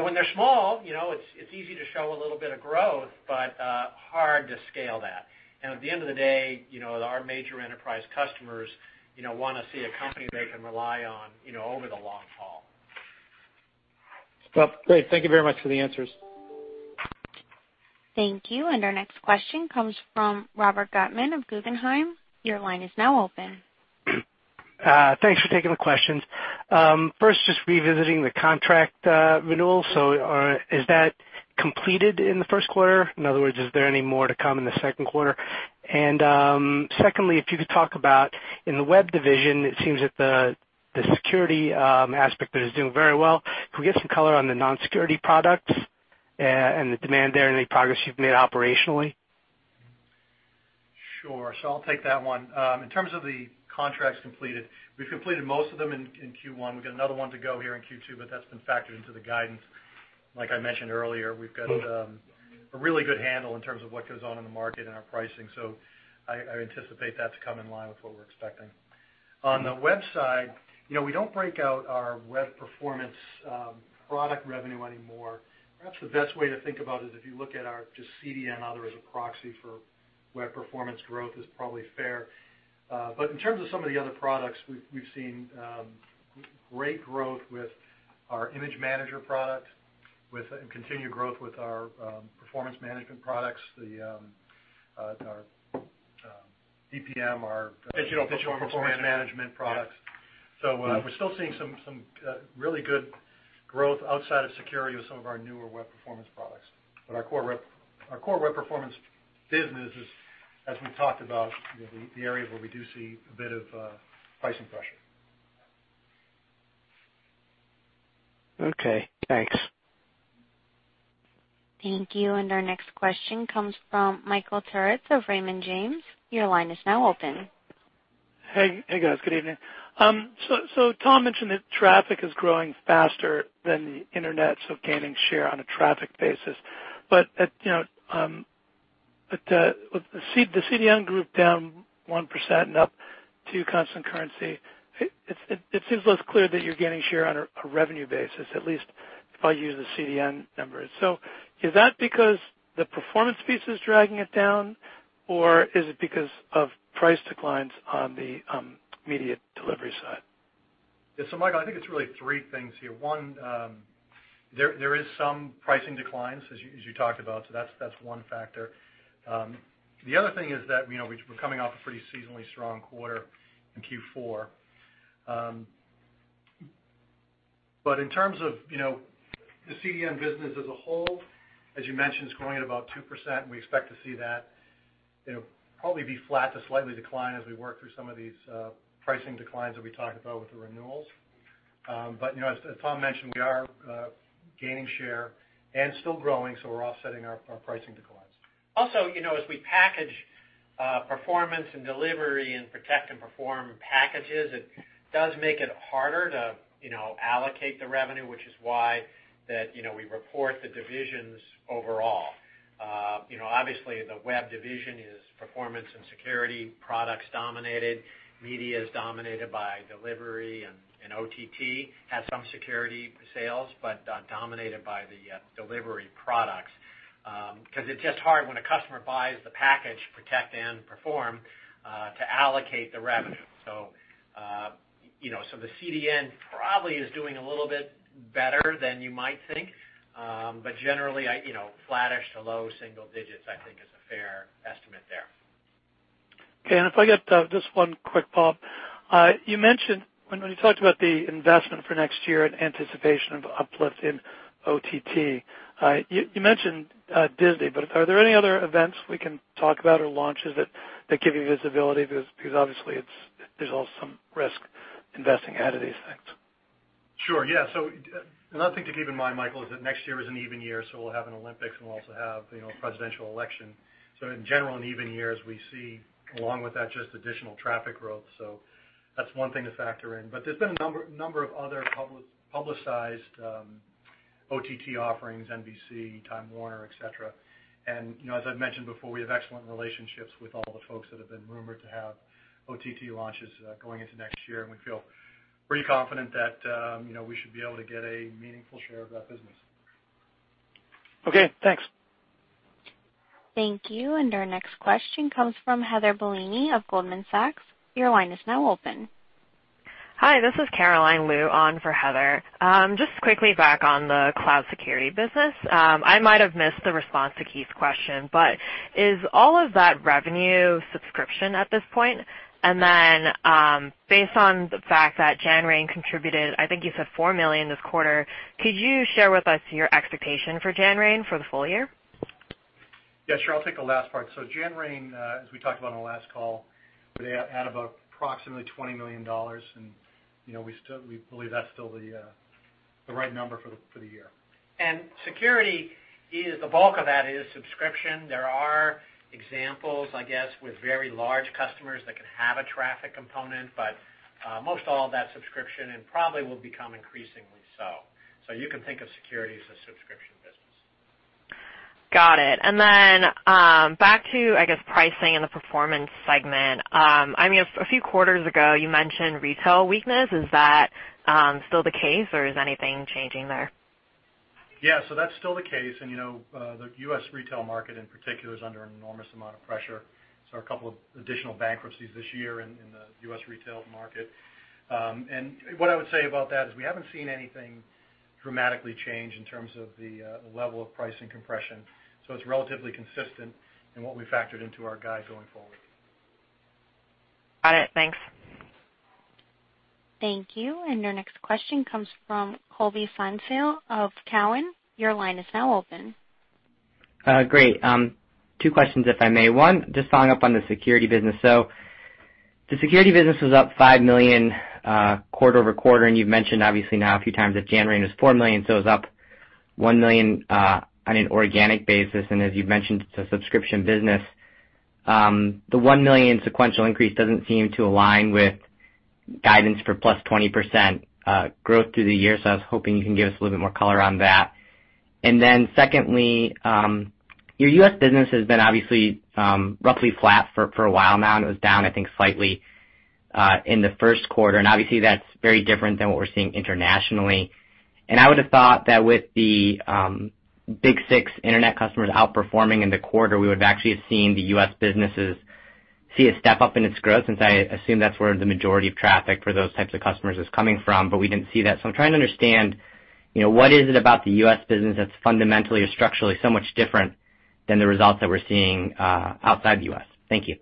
When they're small, it's easy to show a little bit of growth, but hard to scale that. At the end of the day, our major enterprise customers, want to see a company they can rely on over the long haul. Well, great. Thank you very much for the answers. Thank you. Our next question comes from Robert Gutman of Guggenheim. Your line is now open. Thanks for taking the questions. First, just revisiting the contract renewal. Is that completed in the first quarter? In other words, is there any more to come in the second quarter? Secondly, if you could talk about in the web division, it seems that the security aspect of it is doing very well. Can we get some color on the non-security products and the demand there, any progress you've made operationally? Sure. I'll take that one. In terms of the contracts completed, we've completed most of them in Q1. We've got another one to go here in Q2, but that's been factored into the guidance. Like I mentioned earlier, we've got a really good handle in terms of what goes on in the market and our pricing. I anticipate that to come in line with what we're expecting. On the web side, we don't break out our web performance product revenue anymore. Perhaps the best way to think about it is if you look at our just CDN as a proxy for web performance growth is probably fair. But in terms of some of the other products, we've seen great growth with our Image Manager product, and continued growth with our performance management products, our DPM, our Digital performance management digital performance management products. We're still seeing some really good growth outside of security with some of our newer web performance products. Our core web performance business is, as we've talked about, the area where we do see a bit of pricing pressure. Okay, thanks. Thank you. Our next question comes from Michael Turits of Raymond James. Your line is now open. Hey, guys. Good evening. Tom mentioned that traffic is growing faster than the Internet, gaining share on a traffic basis. With the CDN group down 1% and up 2% constant currency, it seems less clear that you're gaining share on a revenue basis, at least if I use the CDN numbers. Is that because the performance piece is dragging it down, or is it because of price declines on the media delivery side? Michael, I think it's really three things here. One, there is some pricing declines as you talked about. That's one factor. The other thing is that, we're coming off a pretty seasonally strong quarter in Q4. In terms of the CDN business as a whole, as you mentioned, it's growing at about 2%, and we expect to see that probably be flat to slightly decline as we work through some of these pricing declines that we talked about with the renewals. As Tom mentioned, we are gaining share and still growing, so we're offsetting our pricing declines. Also, as we package performance and delivery in Protect and Perform packages, it does make it harder to allocate the revenue, which is why that we report the divisions overall. Obviously the web division is performance and security products dominated. Media is dominated by delivery, and OTT has some security sales, but dominated by the delivery products. Because it's just hard when a customer buys the package, Protect and Perform, to allocate the revenue. The CDN probably is doing a little bit better than you might think. Generally, flattish to low single digits, I think is a fair estimate there. Okay. If I get just one quick, Bob. You mentioned when you talked about the investment for next year in anticipation of uplift in OTT. You mentioned Disney, are there any other events we can talk about or launches that give you visibility? Because obviously there's also some risk investing ahead of these things. Sure. Another thing to keep in mind, Michael, is that next year is an even year, we'll have an Olympics and we'll also have a presidential election. In general, in even years, we see along with that, just additional traffic growth. That's one thing to factor in. There's been a number of other publicized OTT offerings, NBC, Time Warner, et cetera. As I've mentioned before, we have excellent relationships with all the folks that have been rumored to have OTT launches going into next year. We feel pretty confident that we should be able to get a meaningful share of that business. Okay, thanks. Thank you. Our next question comes from Heather Bellini of Goldman Sachs. Your line is now open. Hi, this is Caroline Liu on for Heather. Just quickly back on the cloud security business. I might have missed the response to Keith's question, but is all of that revenue subscription at this point? Then, based on the fact that Janrain contributed, I think you said $4 million this quarter, could you share with us your expectation for Janrain for the full year? Yeah, sure. I'll take the last part. Janrain, as we talked about on the last call, would add about approximately $20 million. We believe that's still the right number for the year. Security, the bulk of that is subscription. There are examples, I guess, with very large customers that can have a traffic component, but most all of that's subscription and probably will become increasingly so. You can think of security as a subscription business. Got it. Then, back to, I guess, pricing in the performance segment. A few quarters ago, you mentioned retail weakness. Is that still the case, or is anything changing there? Yeah. That's still the case, and the U.S. retail market in particular is under an enormous amount of pressure. Saw a couple of additional bankruptcies this year in the U.S. retail market. What I would say about that is we haven't seen anything dramatically change in terms of the level of pricing compression. It's relatively consistent in what we factored into our guide going forward. Got it. Thanks. Thank you. Your next question comes from Colby Synesael of Cowen. Your line is now open. Great. Two questions, if I may. One, just following up on the security business. The security business was up $5 million quarter-over-quarter, and you've mentioned obviously now a few times that Janrain was $4 million, so it's up $1 million on an organic basis. As you've mentioned, it's a subscription business. The $1 million sequential increase doesn't seem to align with guidance for +20% growth through the year. I was hoping you can give us a little bit more color on that. Secondly, your U.S. business has been obviously roughly flat for a while now, and it was down, I think, slightly in the first quarter. Obviously that's very different than what we're seeing internationally. I would've thought that with the Big 6 internet customers outperforming in the quarter, we would've actually have seen the U.S. businesses see a step up in its growth, since I assume that's where the majority of traffic for those types of customers is coming from, but we didn't see that. I'm trying to understand, what is it about the U.S. business that's fundamentally or structurally so much different than the results that we're seeing outside the U.S.? Thank you.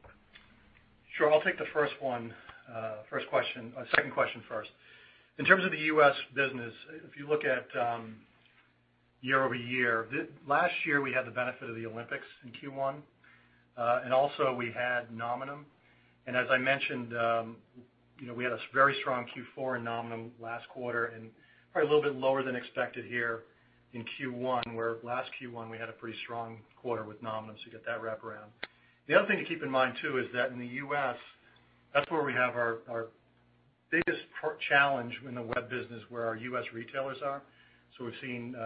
Sure. I'll take the first one. Second question first. In terms of the U.S. business, if you look at year-over-year, last year, we had the benefit of the Olympics in Q1. Also we had Nominum. As I mentioned, we had a very strong Q4 in Nominum last quarter, and probably a little bit lower than expected here in Q1, where last Q1 we had a pretty strong quarter with Nominum, so you get that wraparound. The other thing to keep in mind, too, is that in the U.S., that's where we have our biggest challenge in the web business, where our U.S. retailers are. We've seen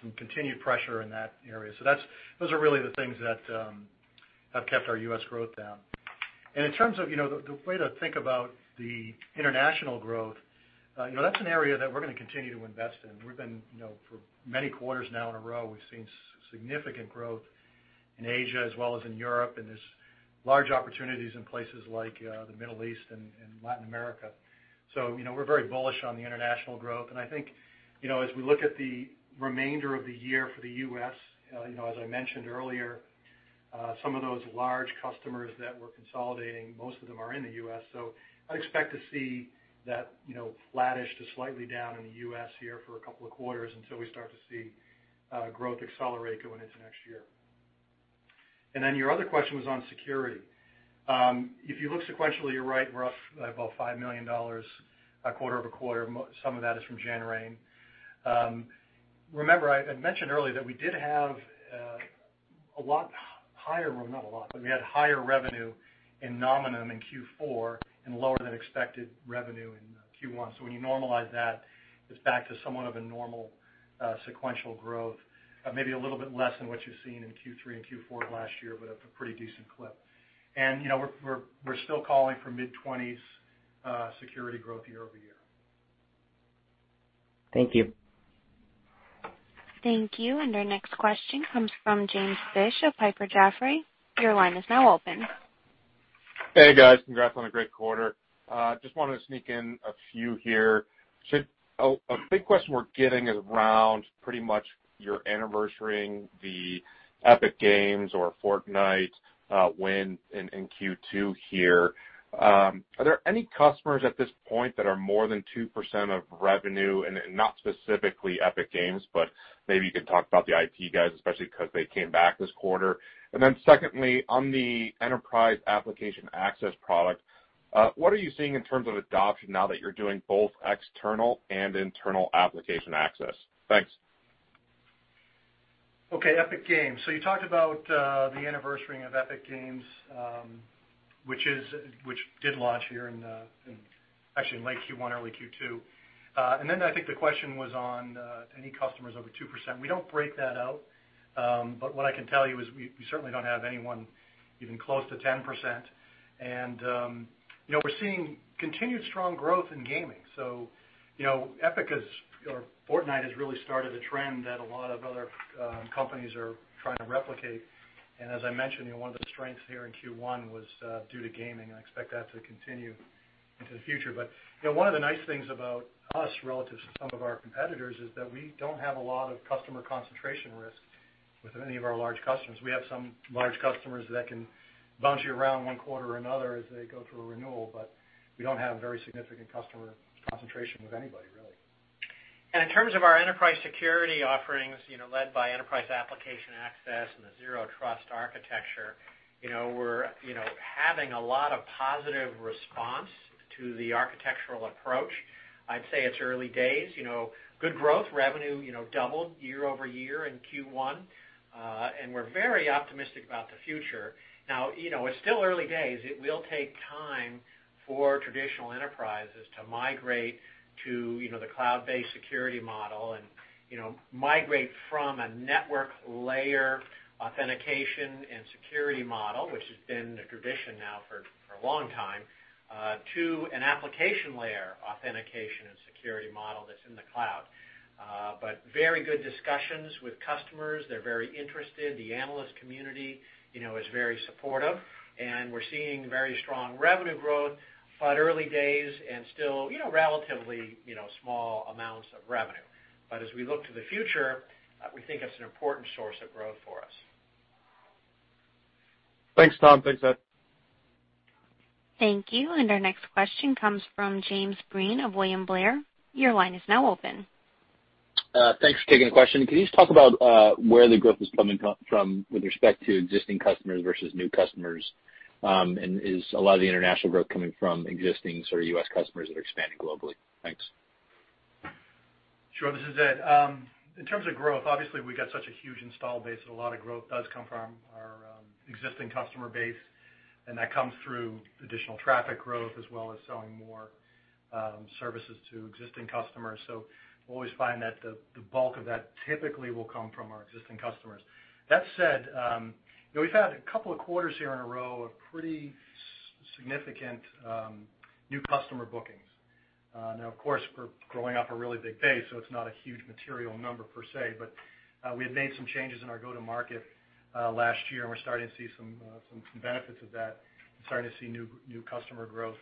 some continued pressure in that area. Those are really the things that have kept our U.S. growth down. In terms of the way to think about the international growth, that's an area that we're going to continue to invest in. For many quarters now in a row, we've seen significant growth in Asia as well as in Europe, there's large opportunities in places like the Middle East and Latin America. We're very bullish on the international growth. I think, as we look at the remainder of the year for the U.S., as I mentioned earlier, some of those large customers that we're consolidating, most of them are in the U.S. I'd expect to see that flattish to slightly down in the U.S. here for a couple of quarters until we start to see growth accelerate going into next year. Your other question was on security. If you look sequentially, you're right, we're up by about $5 million quarter-over-quarter. Some of that is from Janrain. Remember, I mentioned earlier that we did have higher revenue in Nominum in Q4 and lower than expected revenue in Q1. When you normalize that, it's back to somewhat of a normal sequential growth. Maybe a little bit less than what you've seen in Q3 and Q4 last year, but at a pretty decent clip. We're still calling for mid-20s security growth year-over-year. Thank you. Thank you. Our next question comes from James Fish of Piper Jaffray. Your line is now open. Hey, guys. Congrats on a great quarter. Just wanted to sneak in a few here. A big question we're getting is around pretty much you're anniversarying the Epic Games or Fortnite win in Q2 here. Are there any customers at this point that are more than 2% of revenue, and not specifically Epic Games, but maybe you can talk about the IP guys, especially because they came back this quarter. Secondly, on the Enterprise Application Access product, what are you seeing in terms of adoption now that you're doing both external and internal application access? Thanks. Okay, Epic Games. You talked about the anniversary of Epic Games, which did launch here in late Q1, early Q2. I think the question was on any customers over 2%. We don't break that out. What I can tell you is we certainly don't have anyone even close to 10%. We're seeing continued strong growth in gaming. Fortnite has really started a trend that a lot of other companies are trying to replicate. As I mentioned, one of the strengths here in Q1 was due to gaming, and I expect that to continue into the future. One of the nice things about us relative to some of our competitors is that we don't have a lot of customer concentration risk with any of our large customers. We have some large customers that can bounce you around one quarter or another as they go through a renewal, but we don't have very significant customer concentration with anybody, really. In terms of our enterprise security offerings led by Enterprise Application Access and the zero trust architecture, we're having a lot of positive response to the architectural approach. I'd say it's early days. Good growth, revenue doubled year-over-year in Q1. We're very optimistic about the future. Now, it's still early days. It will take time for traditional enterprises to migrate to the cloud-based security model and migrate from a network layer authentication and security model, which has been the tradition now for a long time, to an application layer authentication and security model that's in the cloud. Very good discussions with customers. They're very interested. The analyst community is very supportive, and we're seeing very strong revenue growth, but early days and still relatively small amounts of revenue. As we look to the future, we think it's an important source of growth for us. Thanks, Tom. Thanks, Ed. Thank you. Our next question comes from James Breen of William Blair. Your line is now open. Thanks for taking the question. Can you just talk about where the growth is coming from with respect to existing customers versus new customers? Is a lot of the international growth coming from existing sort of U.S. customers that are expanding globally? Thanks. Sure. This is Ed. In terms of growth, obviously, we've got such a huge install base that a lot of growth does come from our existing customer base, and that comes through additional traffic growth as well as selling more services to existing customers. Always find that the bulk of that typically will come from our existing customers. That said, we've had a couple of quarters here in a row of pretty significant new customer bookings. Of course, we're growing off a really big base, so it's not a huge material number per se, but we had made some changes in our go-to-market last year, and we're starting to see some benefits of that and starting to see new customer growth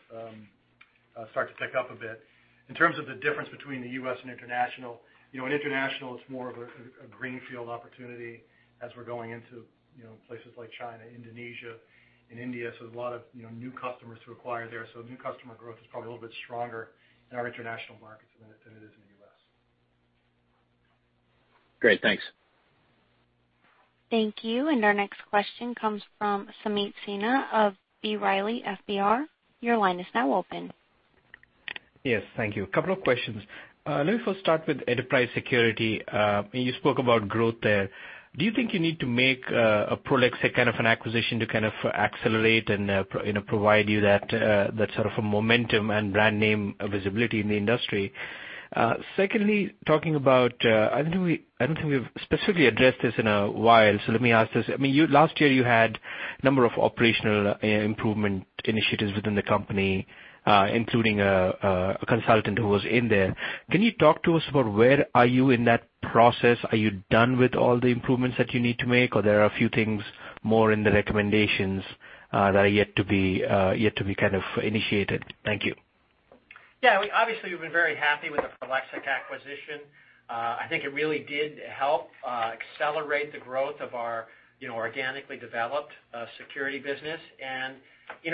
start to tick up a bit. In terms of the difference between the U.S. and international, in international, it's more of a greenfield opportunity as we're going into places like China, Indonesia, and India. There's a lot of new customers to acquire there. New customer growth is probably a little bit stronger in our international markets than it is in the U.S. Great. Thanks. Thank you. Our next question comes from Sameet Sinha of B. Riley FBR. Your line is now open. Yes. Thank you. Couple of questions. Let me first start with enterprise security. You spoke about growth there. Do you think you need to make a Prolexic kind of an acquisition to kind of accelerate and provide you that sort of a momentum and brand name visibility in the industry? Secondly, talking about, I don't think we've specifically addressed this in a while, let me ask this. Last year, you had a number of operational improvement initiatives within the company, including a consultant who was in there. Can you talk to us about where are you in that process? Are you done with all the improvements that you need to make, or there are a few things more in the recommendations that are yet to be kind of initiated? Thank you. Yeah. Obviously, we've been very happy with the Prolexic acquisition. I think it really did help accelerate the growth of our organically developed security business.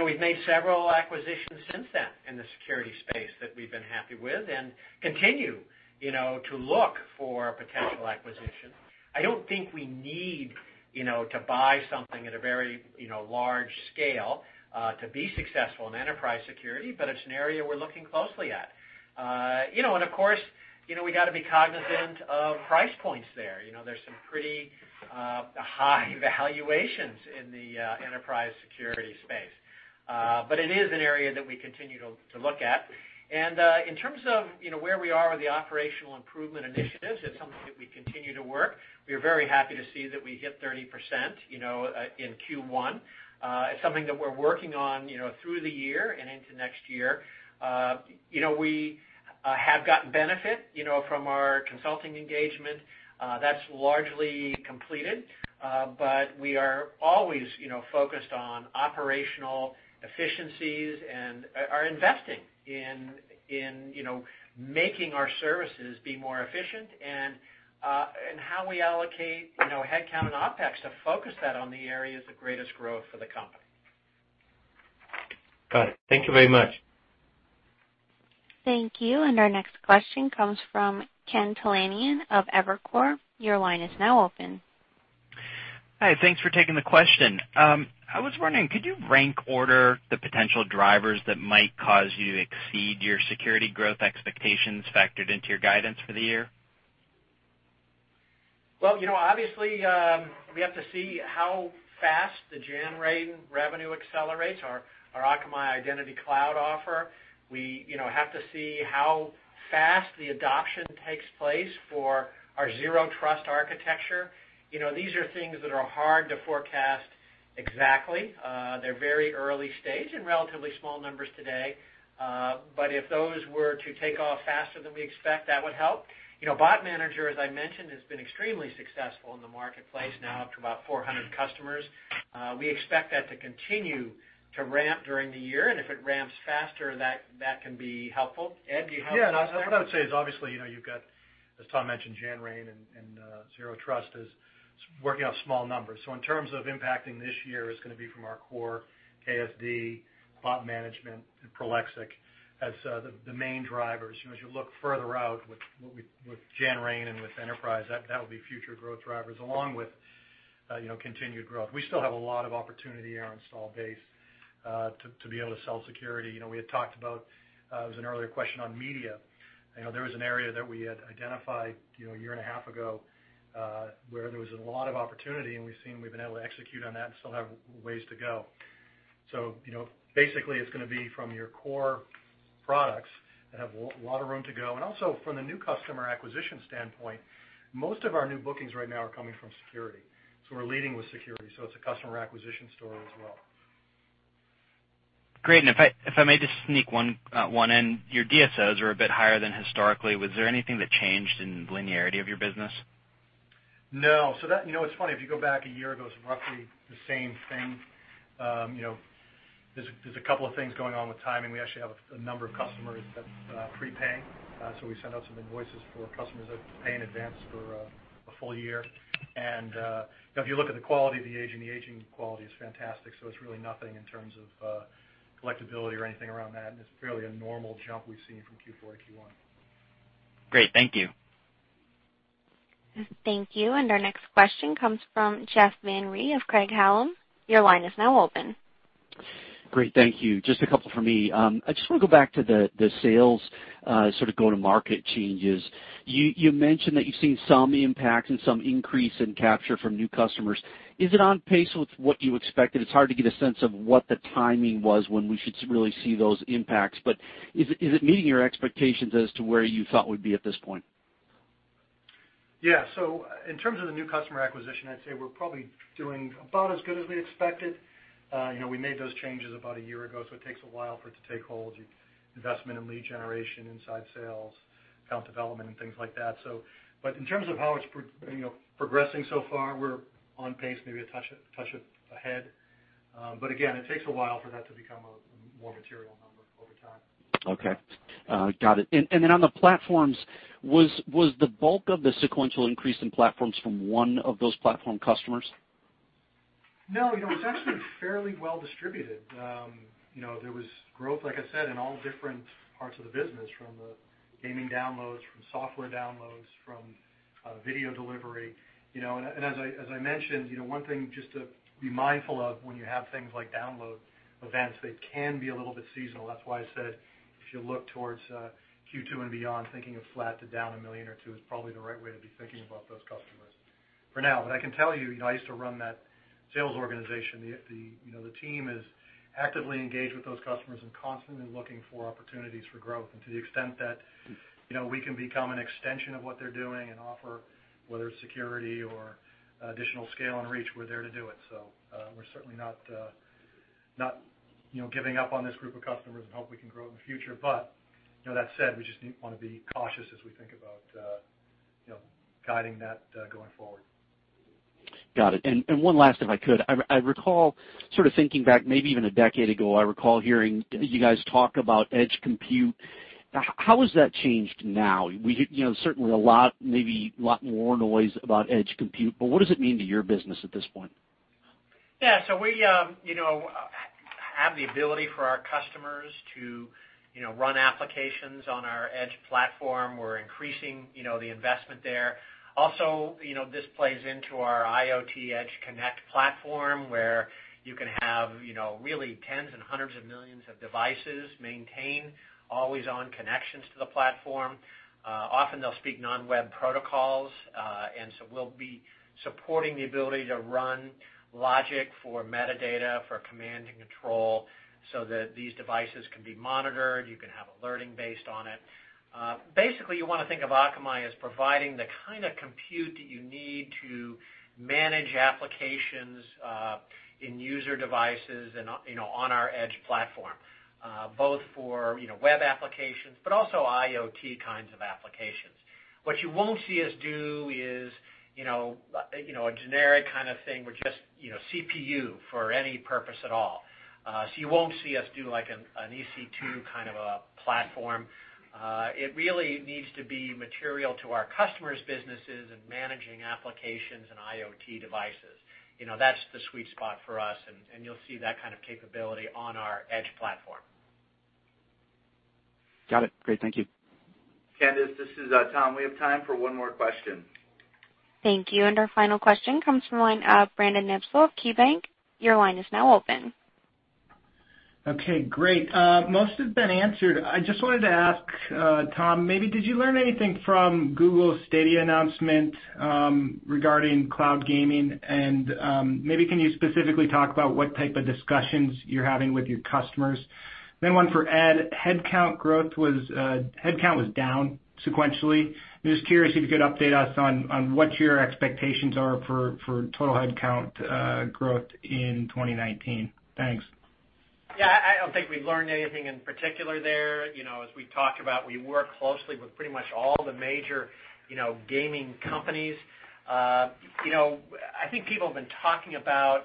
We've made several acquisitions since then in the security space that we've been happy with and continue to look for potential acquisitions. I don't think we need to buy something at a very large scale to be successful in enterprise security, but it's an area we're looking closely at. Of course, we got to be cognizant of price points there. There's some pretty high valuations in the enterprise security space. It is an area that we continue to look at. In terms of where we are with the operational improvement initiatives, it's something that we continue to work. We are very happy to see that we hit 30% in Q1. It's something that we're working on through the year and into next year. We have gotten benefit from our consulting engagement. That's largely completed. We are always focused on operational efficiencies and are investing in making our services be more efficient and how we allocate headcount and OpEx to focus that on the areas of greatest growth for the company. Got it. Thank you very much. Thank you. Our next question comes from Ken Talanian of Evercore. Your line is now open. Hi, thanks for taking the question. I was wondering, could you rank order the potential drivers that might cause you to exceed your security growth expectations factored into your guidance for the year? Well, obviously, we have to see how fast the Janrain revenue accelerates, our Akamai Identity Cloud offer. We have to see how fast the adoption takes place for our Zero Trust architecture. These are things that are hard to forecast exactly. They're very early stage and relatively small numbers today. If those were to take off faster than we expect, that would help. Bot Manager, as I mentioned, has been extremely successful in the marketplace now up to about 400 customers. We expect that to continue to ramp during the year, and if it ramps faster, that can be helpful. Ed, do you have anything there? Yeah, what I would say is, obviously, you've got, as Tom mentioned, Janrain and Zero Trust is working off small numbers. In terms of impacting this year, it's going to be from our core KSD, Bot Manager, and Prolexic as the main drivers. As you look further out with Janrain and with Enterprise, that will be future growth drivers along with continued growth. We still have a lot of opportunity in our install base, to be able to sell security. We had talked about, it was an earlier question on media. There was an area that we had identified a year and a half ago, where there was a lot of opportunity, and we've seen we've been able to execute on that and still have ways to go. Basically, it's going to be from your core products that have a lot of room to go. Also from the new customer acquisition standpoint, most of our new bookings right now are coming from security. We're leading with security, so it's a customer acquisition story as well. Great. If I may just sneak one in, your DSOs are a bit higher than historically. Was there anything that changed in linearity of your business? No. It's funny, if you go back a year ago, it's roughly the same thing. There's a couple of things going on with timing. We actually have a number of customers that prepay, so we send out some invoices for customers that pay in advance for a full year. If you look at the quality of the aging, the aging quality is fantastic, so it's really nothing in terms of collectibility or anything around that, and it's fairly a normal jump we've seen from Q4 to Q1. Great. Thank you. Thank you. Our next question comes from Jeff Van Rhee of Craig-Hallum. Your line is now open. Great, thank you. Just a couple from me. I just want to go back to the sales, sort of go-to-market changes. You mentioned that you've seen some impact and some increase in capture from new customers. Is it on pace with what you expected? It's hard to get a sense of what the timing was when we should really see those impacts. Is it meeting your expectations as to where you thought would be at this point? Yeah. In terms of the new customer acquisition, I'd say we're probably doing about as good as we expected. We made those changes about a year ago, so it takes a while for it to take hold, investment in lead generation, inside sales, account development, and things like that. In terms of how it's progressing so far, we're on pace, maybe a touch ahead. Again, it takes a while for that to become a more material number over time. Okay. Got it. Then on the platforms, was the bulk of the sequential increase in platforms from one of those platform customers? No, it was actually fairly well distributed. There was growth, like I said, in all different parts of the business, from the gaming downloads, from software downloads, from video delivery. As I mentioned, one thing just to be mindful of when you have things like download events, they can be a little bit seasonal. That's why I said if you look towards Q2 and beyond, thinking of flat to down $1 million or $2 million is probably the right way to be thinking about those customers for now. I can tell you, I used to run that sales organization. The team is actively engaged with those customers and constantly looking for opportunities for growth. To the extent that we can become an extension of what they're doing and offer, whether it's security or additional scale and reach, we're there to do it. We're certainly not giving up on this group of customers and hope we can grow in the future. That said, we just want to be cautious as we think about guiding that going forward. Got it. One last, if I could. I recall sort of thinking back maybe even a decade ago, I recall hearing you guys talk about edge compute. How has that changed now? Certainly a lot, maybe a lot more noise about edge compute, but what does it mean to your business at this point? Yeah. We have the ability for our customers to run applications on our Akamai Edge platform. We're increasing the investment there. Also, this plays into our IoT Edge Connect platform, where you can have really tens and hundreds of millions of devices maintain always-on connections to the platform. Often they'll speak non-web protocols, and so we'll be supporting the ability to run logic for metadata, for command and control so that these devices can be monitored, you can have alerting based on it. Basically, you want to think of Akamai as providing the kind of compute that you need to manage applications in user devices and on our Akamai Edge platform, both for web applications, but also IoT kinds of applications. What you won't see us do is a generic kind of thing with just CPU for any purpose at all. You won't see us do like an EC2 kind of a platform. It really needs to be material to our customers' businesses and managing applications and IoT devices. That's the sweet spot for us, and you'll see that kind of capability on our Akamai Edge platform. Got it. Great. Thank you. Candice, this is Tom. We have time for one more question. Thank you. Our final question comes from the line of Brandon Nispel of KeyBanc. Your line is now open. Okay, great. Most have been answered. I just wanted to ask, Tom, maybe did you learn anything from Google's Stadia announcement regarding cloud gaming? Maybe can you specifically talk about what type of discussions you're having with your customers? One for Ed, headcount was down sequentially. Just curious if you could update us on what your expectations are for total headcount growth in 2019. Thanks. Yeah, I don't think we've learned anything in particular there. As we've talked about, we work closely with pretty much all the major gaming companies. I think people have been talking about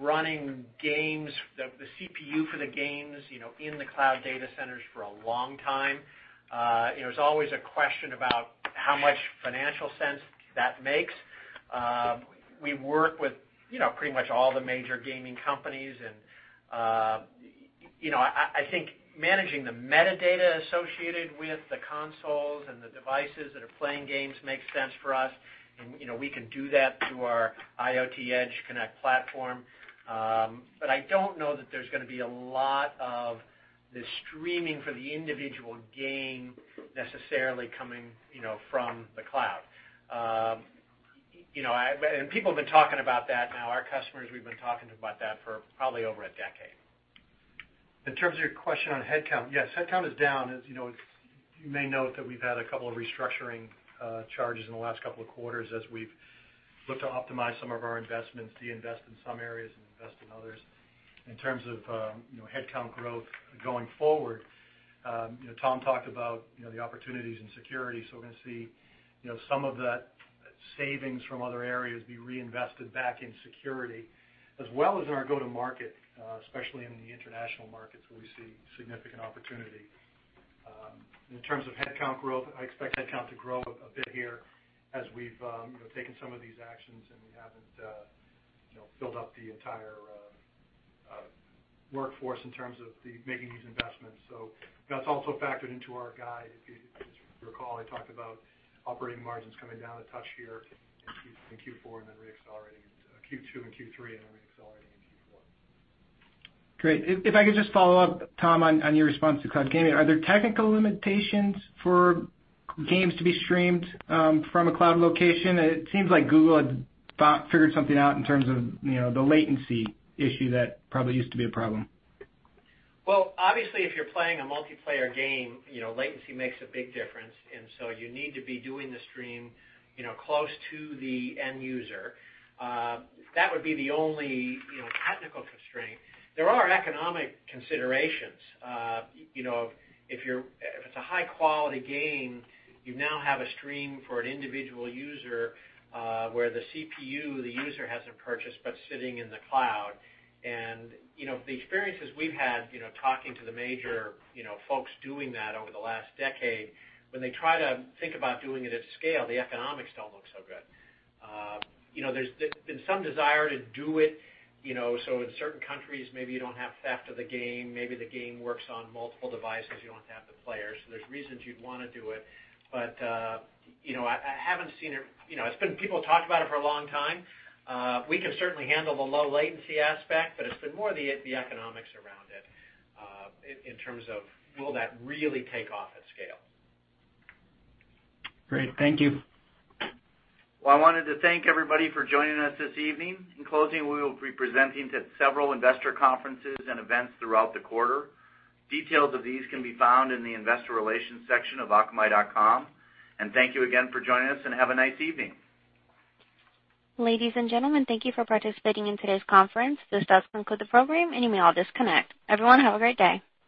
running the CPU for the games in the cloud data centers for a long time. There's always a question about how much financial sense that makes. We work with pretty much all the major gaming companies, and I think managing the metadata associated with the consoles and the devices that are playing games makes sense for us, and we can do that through our IoT Edge Connect platform. I don't know that there's going to be a lot of the streaming for the individual game necessarily coming from the cloud. People have been talking about that now, our customers, we've been talking about that for probably over a decade. In terms of your question on headcount, yes, headcount is down. As you may note that we've had a couple of restructuring charges in the last couple of quarters as we've looked to optimize some of our investments, de-invest in some areas, and invest in others. In terms of headcount growth going forward, Tom talked about the opportunities in security. We're going to see some of that savings from other areas be reinvested back in security, as well as our go-to-market, especially in the international markets where we see significant opportunity. In terms of headcount growth, I expect headcount to grow a bit here as we've taken some of these actions, and we haven't built up the entire workforce in terms of making these investments. That's also factored into our guide. If you recall, I talked about operating margins coming down a touch here in Q2 and Q3, and then re-accelerating in Q4. Great. If I could just follow up, Tom, on your response to cloud gaming. Are there technical limitations for games to be streamed from a cloud location? It seems like Google had figured something out in terms of the latency issue that probably used to be a problem. Obviously, if you're playing a multiplayer game, latency makes a big difference, you need to be doing the stream close to the end user. That would be the only technical constraint. There are economic considerations. If it's a high-quality game, you now have a stream for an individual user, where the CPU, the user hasn't purchased, but sitting in the cloud. The experiences we've had talking to the major folks doing that over the last decade, when they try to think about doing it at scale, the economics don't look so good. There's been some desire to do it, in certain countries, maybe you don't have theft of the game, maybe the game works on multiple devices, you don't have to have the players. There's reasons you'd want to do it, I haven't seen it. People have talked about it for a long time. We can certainly handle the low latency aspect, it's been more the economics around it, in terms of will that really take off at scale. Great. Thank you. I wanted to thank everybody for joining us this evening. In closing, we will be presenting to several investor conferences and events throughout the quarter. Details of these can be found in the investor relations section of akamai.com. Thank you again for joining us, have a nice evening. Ladies and gentlemen, thank you for participating in today's conference. This does conclude the program, and you may all disconnect. Everyone, have a great day.